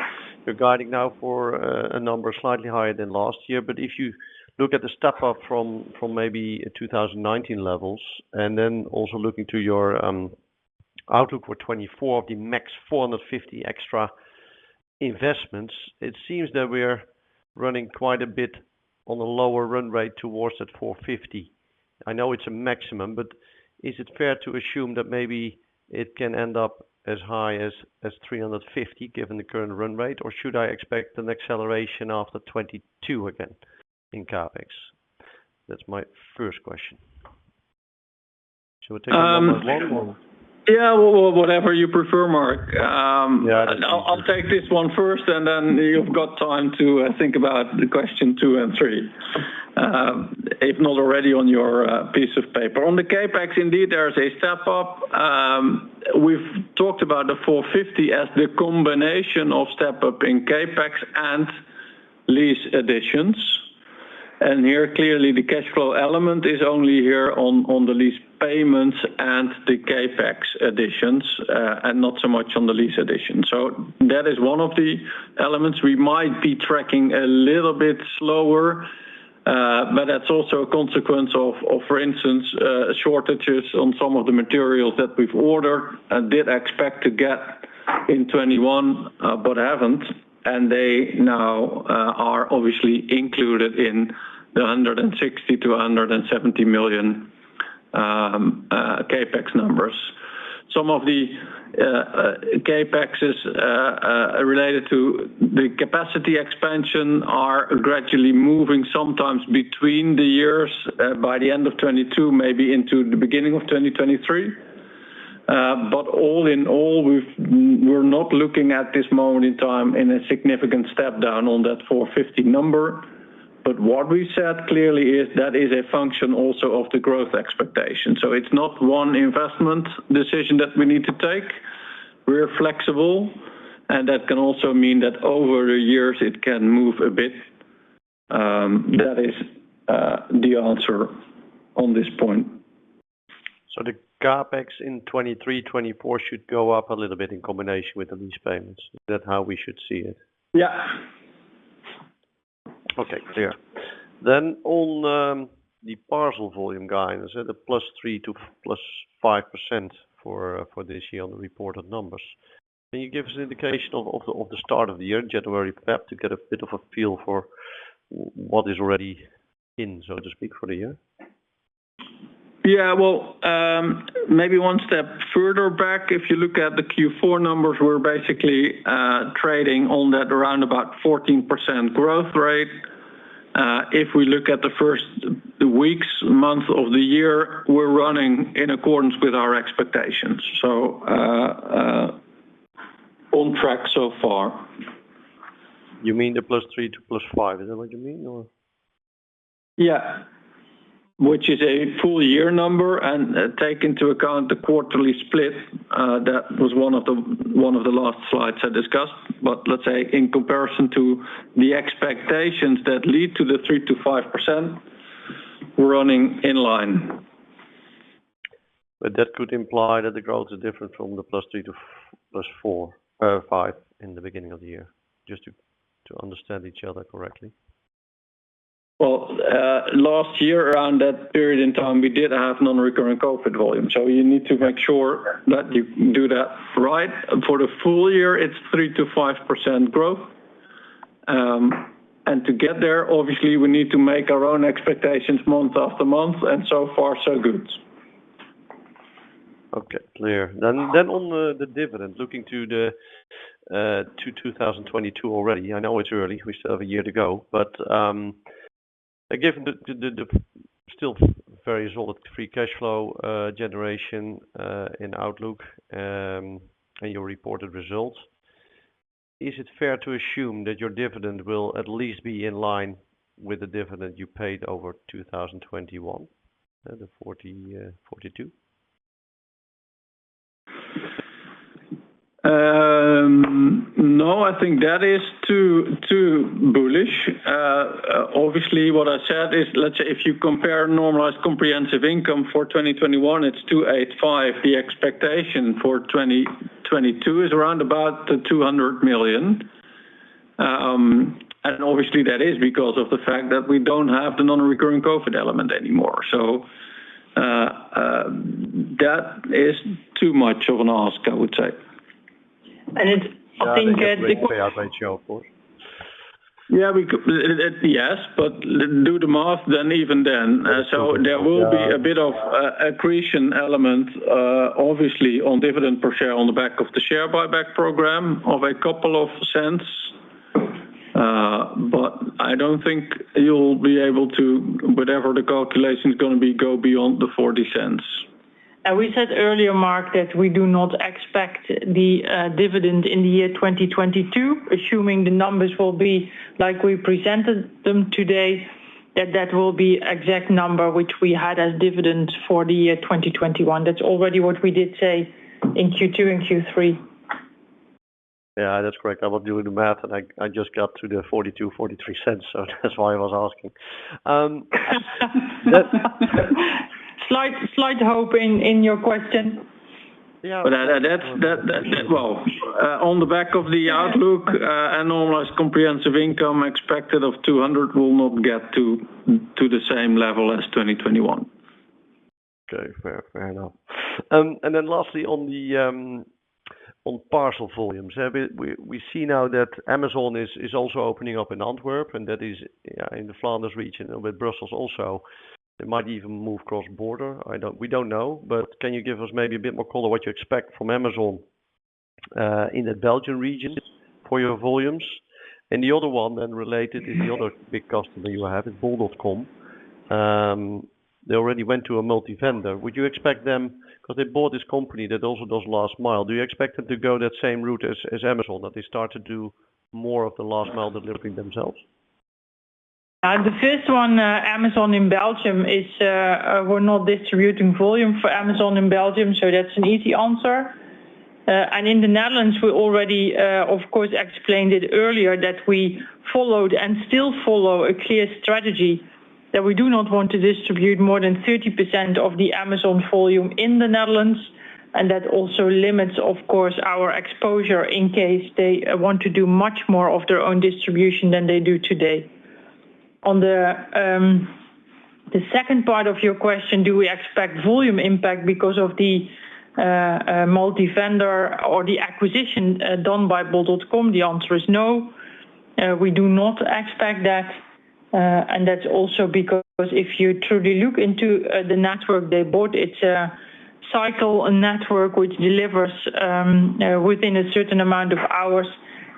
guiding now for a number slightly higher than last year. If you look at the step up from maybe 2019 levels, and then also looking to your outlook for 2024, the max 450 extra investments, it seems that we're running quite a bit on a lower run rate towards that 450. I know it's a maximum, but is it fair to assume that maybe it can end up as high as 350, given the current run rate? Or should I expect an acceleration after 2022 again in CapEx? That's my first question. Should we take them both or? Yeah. Whatever you prefer, Marc. Yeah. I'll take this one first, and then you've got time to think about the question two and three, if not already on your piece of paper. On the CapEx, indeed, there is a step up. We've talked about the 450 as the combination of step up in CapEx and lease additions. Here clearly the cash flow element is only here on the lease payments and the CapEx additions, and not so much on the lease additions. That is one of the elements we might be tracking a little bit slower, but that's also a consequence of for instance shortages on some of the materials that we've ordered and did expect to get in 2021, but haven't. They now are obviously included in the 160 million-170 million CapEx numbers. Some of the CapEx related to the capacity expansion are gradually moving sometimes between the years, by the end of 2022, maybe into the beginning of 2023. All in all, we're not looking at this moment in time in a significant step down on that 450 number. What we said clearly is that is a function also of the growth expectation. It's not one investment decision that we need to take. We're flexible, and that can also mean that over the years it can move a bit, that is, the answer on this point. The CapEx in 2023, 2024 should go up a little bit in combination with the lease payments. Is that how we should see it? Yeah. Okay, clear. On the parcel volume guidance, at 3%-5% for this year on the reported numbers. Can you give us an indication of the start of the year, January, February, to get a bit of a feel for what is already in, so to speak, for the year? Well, maybe one step further back, if you look at the Q4 numbers, we're basically trading on that around about 14% growth rate. If we look at the first weeks, month of the year, we're running in accordance with our expectations. On track so far. You mean the +3%-+5%? Is that what you mean or? Yeah. Which is a full year number and take into account the quarterly split, that was one of the last slides I discussed. Let's say in comparison to the expectations that lead to the 3%-5%, we're running in line. That could imply that the growth is different from the +3% to +4% or 5% in the beginning of the year, just to understand each other correctly. Well, last year, around that period in time, we did have non-recurring COVID volume. You need to make sure that you do that right. For the full year, it's 3%-5% growth. To get there, obviously, we need to make our own expectations month after month, and so far so good. Okay, clear. On the dividend, looking to 2022 already. I know it's early, we still have a year to go. Given the still very solid free cash flow generation in outlook and your reported results, is it fair to assume that your dividend will at least be in line with the dividend you paid in 2021, the 0.42? No, I think that is too bullish. Obviously, what I said is, let's say if you compare normalized comprehensive income for 2021, it's 285 million. The expectation for 2022 is around about 200 million. Obviously that is because of the fact that we don't have the non-recurring COVID element anymore. That is too much of an ask, I would say. I think it's Yeah, they have repurchased shares, of course. Yes, but do the math then even then. There will be a bit of a accretion element, obviously on dividend per share on the back of the share buyback program of a couple of cents. But I don't think you'll be able to, whatever the calculation is gonna be, go beyond the 0.40. We said earlier, Marc, that we do not expect the dividend in 2022, assuming the numbers will be like we presented them today, that will be the exact number which we had as dividend for 2021. That's already what we did say in Q2 and Q3. Yeah, that's correct. I was doing the math and I just got to the €0.42-€0.43. So that's why I was asking. Slight hope in your question. Well, on the back of the outlook, a normalized comprehensive income expected of 200 will not get to the same level as 2021. Okay. Fair enough. Lastly, on parcel volumes. We see now that Amazon is also opening up in Antwerp, and that is yeah in the Flanders region and with Brussels also, it might even move cross border. We don't know. Can you give us maybe a bit more color what you expect from Amazon in the Belgian region for your volumes? The other one related is the other big customer you have is bol.com. They already went to a multi-vendor. Would you expect them? 'Cause they bought this company that also does last mile. Do you expect them to go that same route as Amazon, that they start to do more of the last mile delivering themselves? The first one, Amazon in Belgium is, we're not distributing volume for Amazon in Belgium, so that's an easy answer. In the Netherlands, we already, of course, explained it earlier that we followed and still follow a clear strategy that we do not want to distribute more than 30% of the Amazon volume in the Netherlands, and that also limits, of course, our exposure in case they want to do much more of their own distribution than they do today. On the second part of your question, do we expect volume impact because of the multivendor or the acquisition done by bol.com? The answer is no. We do not expect that, and that's also because if you truly look into the network they bought, it's a cyclic network which delivers within a certain amount of hours,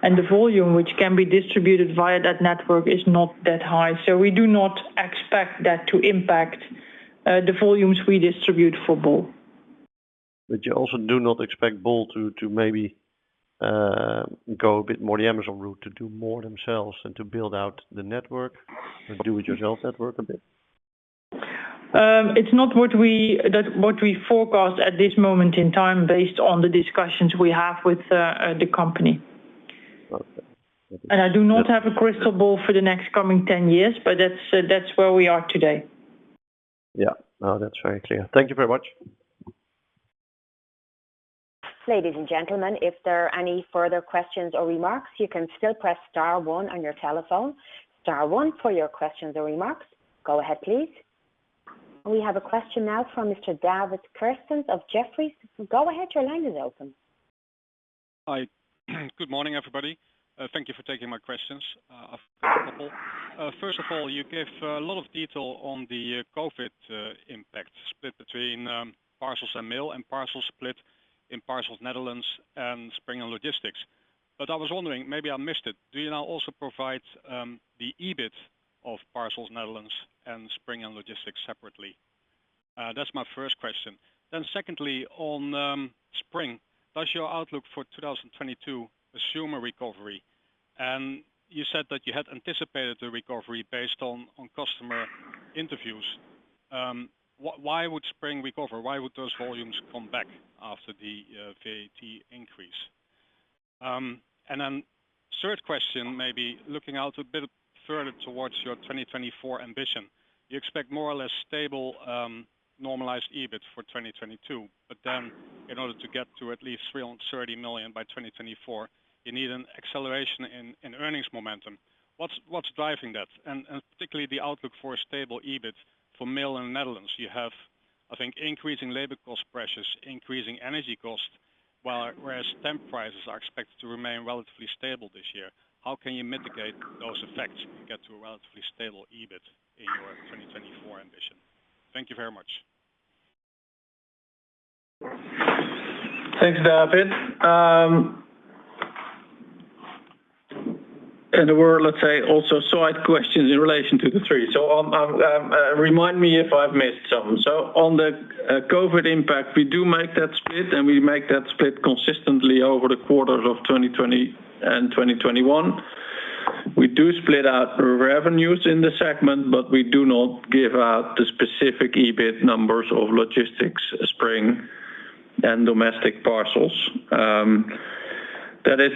and the volume which can be distributed via that network is not that high. We do not expect that to impact the volumes we distribute for bol. You also do not expect bol.com to maybe go a bit more the Amazon route to do more themselves and to build out the network or do-it-yourself network a bit? It's not what we forecast at this moment in time based on the discussions we have with the company. Okay. I do not have a crystal ball for the next 10 years, but that's where we are today. Yeah. No, that's very clear. Thank you very much. Ladies and gentlemen, if there are any further questions or remarks, you can still press star one on your telephone. Star one for your questions or remarks. Go ahead, please. We have a question now from Mr. David Kerstens of Jefferies. Go ahead, your line is open. Hi. Good morning, everybody. Thank you for taking my questions. I have a couple. First of all, you gave a lot of detail on the COVID impact split between parcels and mail and parcels split in Parcels Netherlands and Spring and Logistics. I was wondering, maybe I missed it. Do you now also provide the EBIT of Parcels Netherlands and Spring and Logistics separately? That's my first question. Secondly, on Spring, does your outlook for 2022 assume a recovery? You said that you had anticipated the recovery based on customer interviews. Why would Spring recover? Why would those volumes come back after the VAT increase? Third question, maybe looking out a bit further towards your 2024 ambition. You expect more or less stable normalized EBIT for 2022, but then in order to get to at least 330 million by 2024, you need an acceleration in earnings momentum. What's driving that? Particularly the outlook for a stable EBIT for Mail in the Netherlands. You have, I think, increasing labor cost pressures, increasing energy costs, whereas stamp prices are expected to remain relatively stable this year. How can you mitigate those effects to get to a relatively stable EBIT in your 2024 ambition? Thank you very much. Thanks, David. And there were, let's say, also side questions in relation to the three. I'll remind me if I've missed some. On the COVID impact, we do make that split, and we make that split consistently over the quarters of 2020 and 2021. We do split out revenues in the segment, but we do not give out the specific EBIT numbers of Logistics, Spring, and Domestic Parcels. That is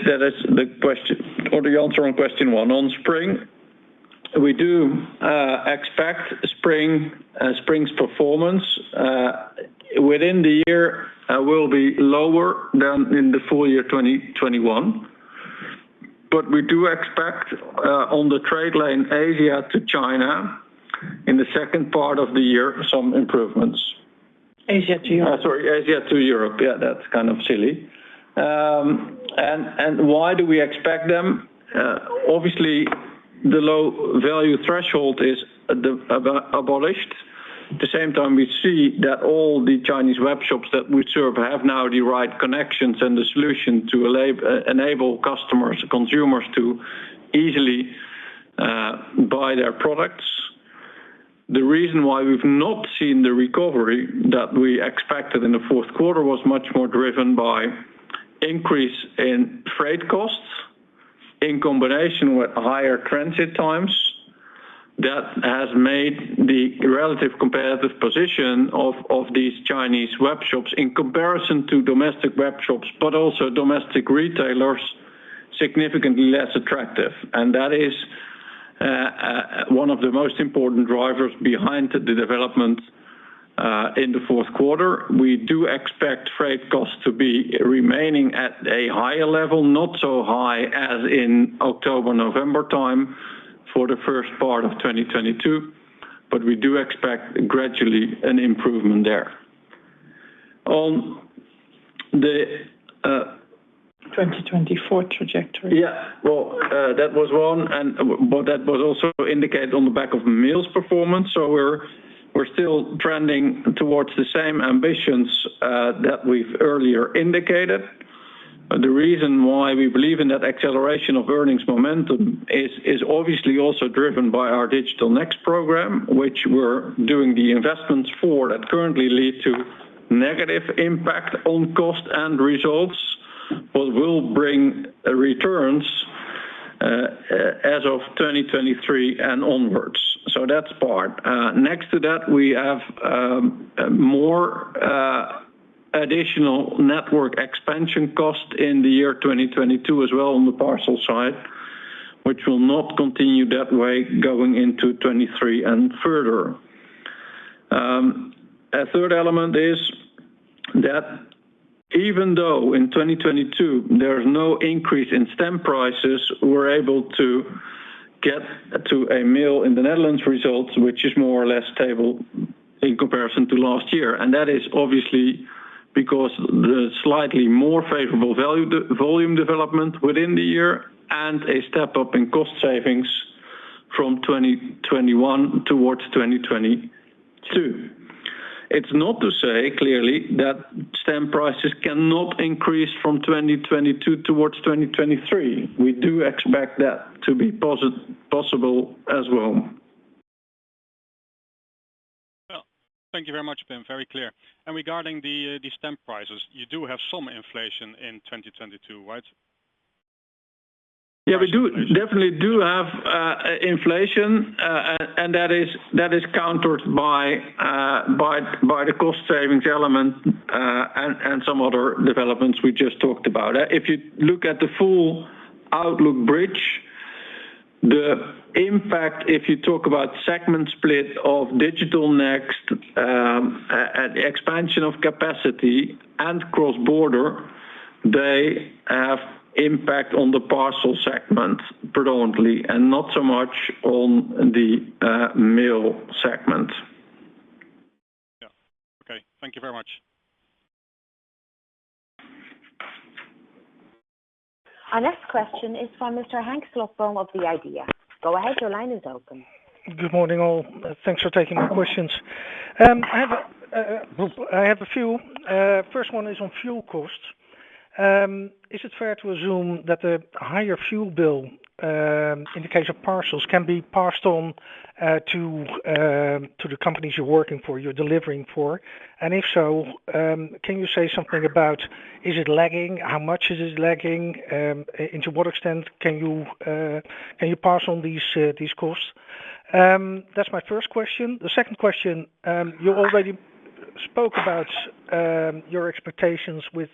the question or the answer on question one. On Spring, we do expect Spring's performance within the year will be lower than in the full year 2021. We do expect on the trade lane Asia to China in the second part of the year, some improvements. Asia to Europe. Sorry, Asia to Europe. Yeah, that's kind of silly. Why do we expect them? Obviously, the low value threshold is abolished. At the same time, we see that all the Chinese web shops that we serve have now the right connections and the solution to enable customers, consumers to easily buy their products. The reason why we've not seen the recovery that we expected in the fourth quarter was much more driven by increase in freight costs in combination with higher transit times. That has made the relative competitive position of these Chinese web shops in comparison to domestic web shops, but also domestic retailers, significantly less attractive. That is one of the most important drivers behind the development in the fourth quarter. We do expect freight costs to be remaining at a higher level, not so high as in October, November time for the first part of 2022, but we do expect gradually an improvement there. On the, 2024 trajectory. Yeah. Well, that was one, and that was also indicated on the back of Mail's performance. We're still trending towards the same ambitions that we've earlier indicated. The reason why we believe in that acceleration of earnings momentum is obviously also driven by our Digital Next program, which we're doing the investments for that currently lead to negative impact on cost and results, but will bring returns as of 2023 and onwards. That's part. Next to that, we have more additional network expansion costs in the year 2022 as well on the parcel side, which will not continue that way going into 2023 and further. A third element is that even though in 2022 there is no increase in stamp prices, we're able to get to a Mail in the Netherlands results, which is more or less stable in comparison to last year. That is obviously because the slightly more favorable value-volume development within the year and a step-up in cost savings from 2021 towards 2022. It's not to say, clearly, that stamp prices cannot increase from 2022 towards 2023. We do expect that to be possible as well. Well, thank you very much, Pim. Very clear. Regarding the stamp prices, you do have some inflation in 2022, right? Yeah, we definitely have inflation, and that is countered by the cost savings element, and some other developments we just talked about. If you look at the full outlook bridge, the impact, if you talk about segment split of Digital Next, and expansion of capacity and cross-border, they have impact on the Parcel segment predominantly and not so much on the Mail segment. Yeah. Okay. Thank you very much. Our next question is from Mr. Henk Slotboom of The IDEA!. Go ahead, your line is open. Good morning, all. Thanks for taking my questions. I have a few. First one is on fuel costs. Is it fair to assume that the higher fuel bill in the case of parcels can be passed on to the companies you're working for, you're delivering for? And if so, can you say something about is it lagging? How much is it lagging? And to what extent can you pass on these costs? That's my first question. The second question, you already spoke about your expectations with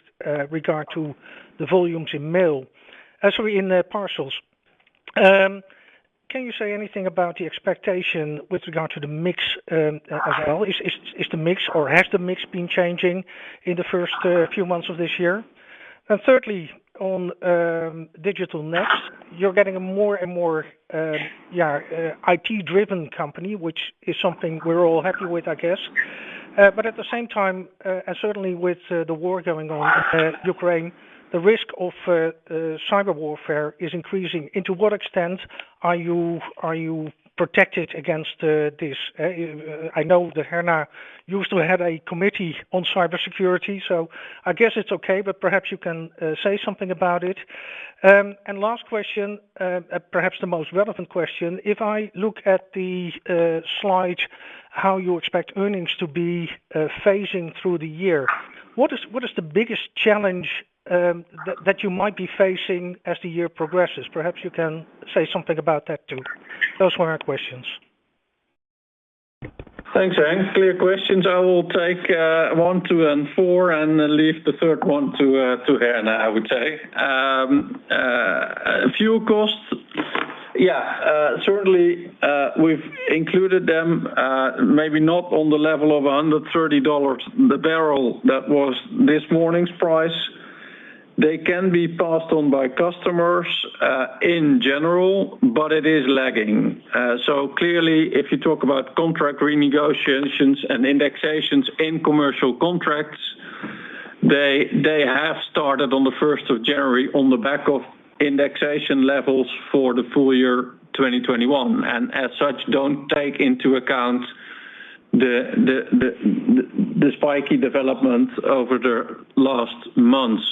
regard to the volumes in parcels. Can you say anything about the expectation with regard to the mix as well? Is the mix or has the mix been changing in the first few months of this year? Thirdly, on Digital Next, you're getting a more and more IT-driven company, which is something we're all happy with, I guess. At the same time, certainly with the war going on in Ukraine, the risk of cyber warfare is increasing. To what extent are you protected against this? I know that Herna used to have a committee on cybersecurity, so I guess it's okay, but perhaps you can say something about it. Last question, perhaps the most relevant question. If I look at the slide, how you expect earnings to be phasing through the year, what is the biggest challenge that you might be facing as the year progresses? Perhaps you can say something about that too. Those were our questions. Thanks, Henk. Clear questions. I will take one, two, and four and leave the third one to Herna, I would say. Fuel costs, certainly, we've included them, maybe not on the level of under $30 a barrel that was this morning's price. They can be passed on by customers in general, but it is lagging. Clearly, if you talk about contract renegotiations and indexations in commercial contracts, they have started on the first of January on the back of indexation levels for the full year 2021, and as such, don't take into account the spiky development over the last months.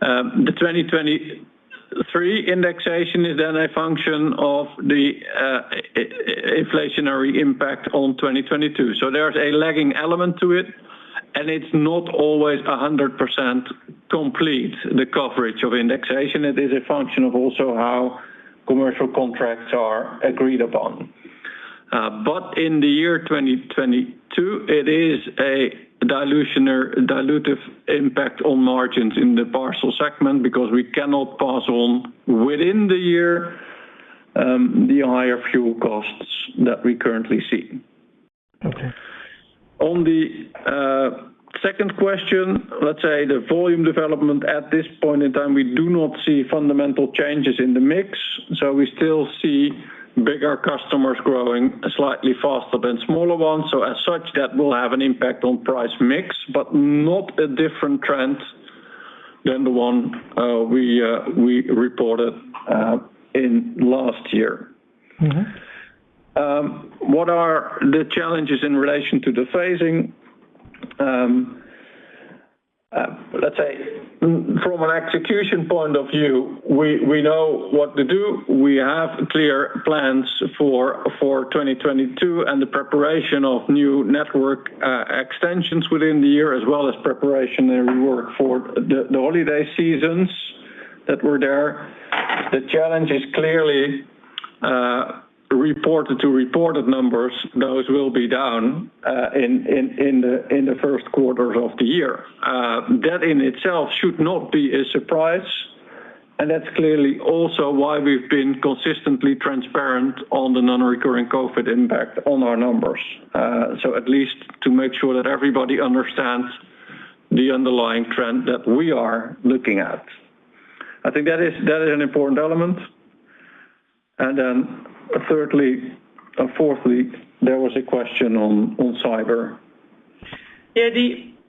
The 2023 indexation is then a function of the inflationary impact on 2022. There is a lagging element to it, and it's not always 100% complete, the coverage of indexation. It is a function of also how commercial contracts are agreed upon. But in the year 2022, it is a dilutive impact on margins in the parcel segment because we cannot pass on within the year, the higher fuel costs that we currently see. Okay. On the second question, let's say the volume development, at this point in time, we do not see fundamental changes in the mix. We still see bigger customers growing slightly faster than smaller ones. As such, that will have an impact on price mix, but not a different trend than the one we reported in last year. Mm-hmm. What are the challenges in relation to the phasing? Let's say from an execution point of view, we know what to do. We have clear plans for 2022 and the preparation of new network extensions within the year as well as preparation and reward for the holiday seasons that were there. The challenge is clearly reported to reported numbers, those will be down in the first quarter of the year. That in itself should not be a surprise, and that's clearly also why we've been consistently transparent on the non-recurring COVID impact on our numbers. So at least to make sure that everybody understands the underlying trend that we are looking at. I think that is an important element. Then thirdly and fourthly, there was a question on cyber. Yeah,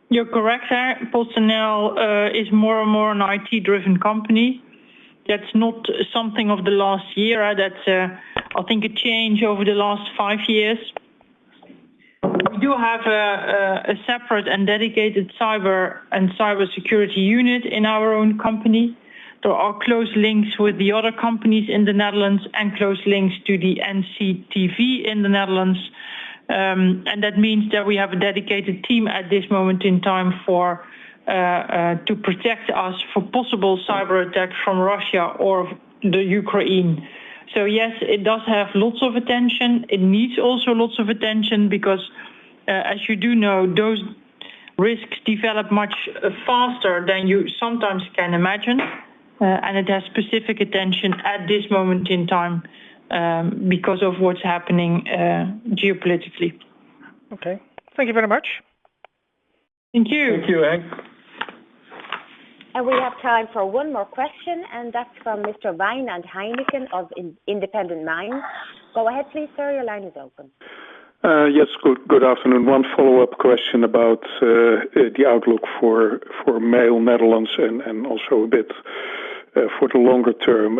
you're correct there. PostNL is more and more an IT-driven company. That's not something of the last year. That's, I think a change over the last 5 years. We do have a separate and dedicated cyber and cybersecurity unit in our own company. There are close links with the other companies in the Netherlands and close links to the NCTV in the Netherlands. That means that we have a dedicated team at this moment in time to protect us from possible cyberattacks from Russia or the Ukraine. So yes, it does have lots of attention. It needs also lots of attention because as you do know, those risks develop much faster than you sometimes can imagine. It has specific attention at this moment in time because of what's happening geopolitically. Okay. Thank you very much. Thank you. Thank you, Henk. We have time for one more question, and that's from Mr. Wijnand Heineken of Independent Minds. Go ahead please, sir. Your line is open. Good afternoon. One follow-up question about the outlook for Mail Netherlands and also a bit for the longer term.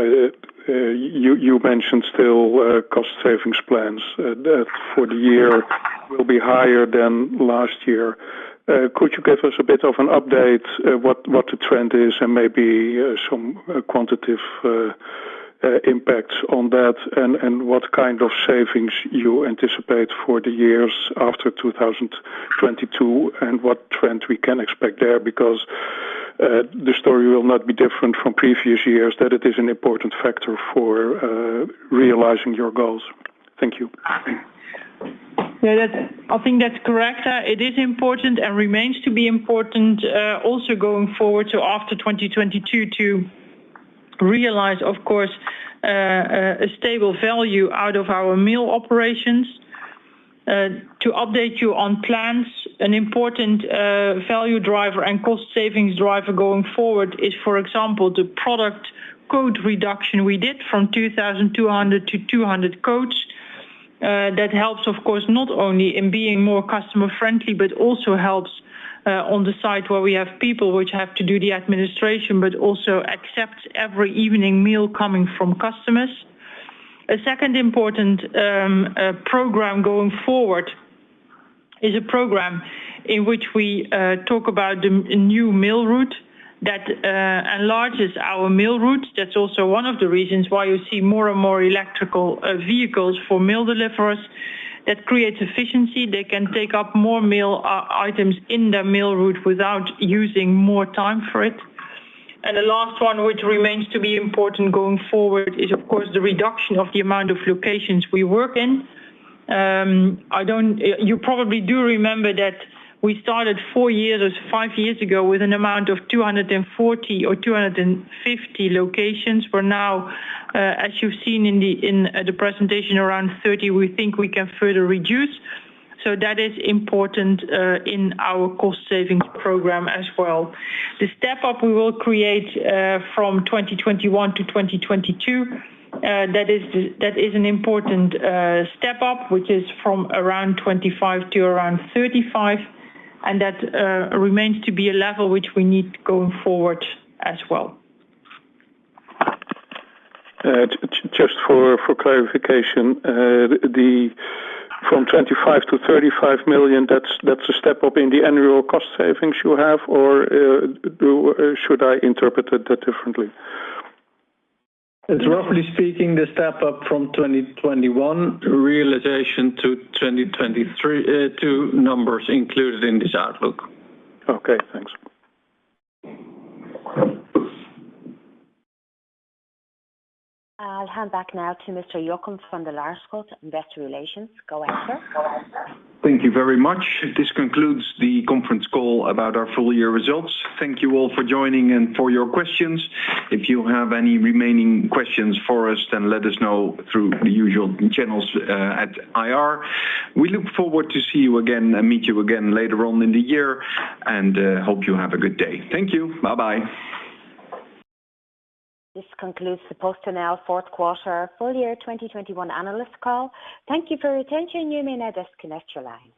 You mentioned still cost savings plans that for the year will be higher than last year. Could you give us a bit of an update what the trend is and maybe some quantitative impacts on that, and what kind of savings you anticipate for the years after 2022, and what trend we can expect there? Because the story will not be different from previous years, that it is an important factor for realizing your goals. Thank you. Yeah, I think that's correct. It is important and remains to be important, also going forward to after 2022 to realize, of course, a stable value out of our mail operations. To update you on plans, an important value driver and cost savings driver going forward is, for example, the product code reduction we did from 2,200 to 200 codes. That helps, of course, not only in being more customer-friendly but also helps on the side where we have people which have to do the administration but also accept every evening mail coming from customers. A second important program going forward is a program in which we talk about a new mail route that enlarges our mail route. That's also one of the reasons why you see more and more electric vehicles for mail deliveries. That creates efficiency. They can take up more mail items in their mail route without using more time for it. The last one, which remains to be important going forward is, of course, the reduction of the amount of locations we work in. You probably do remember that we started four years or five years ago with an amount of 240 or 250 locations. We're now, as you've seen in the presentation, around 30 we think we can further reduce. That is important in our cost savings program as well. The step-up we will create from 2021 to 2022, that is an important step-up, which is from around 25 to around 35, and that remains to be a level which we need going forward as well. Just for clarification, from 25 million-35 million, that's a step up in the annual cost savings you have, or should I interpret it that differently? Roughly speaking, the step up from 2021 realization to 2023, two numbers included in this outlook. Okay, thanks. I'll hand back now to Mr. Jochem van de Laarschot, Investor Relations. Go ahead, sir. Thank you very much. This concludes the conference call about our full year results. Thank you all for joining and for your questions. If you have any remaining questions for us, then let us know through the usual channels at IR. We look forward to see you again and meet you again later on in the year, and hope you have a good day. Thank you. Bye-bye. This concludes the PostNL fourth quarter full year 2021 analyst call. Thank you for your attention. You may now disconnect your line.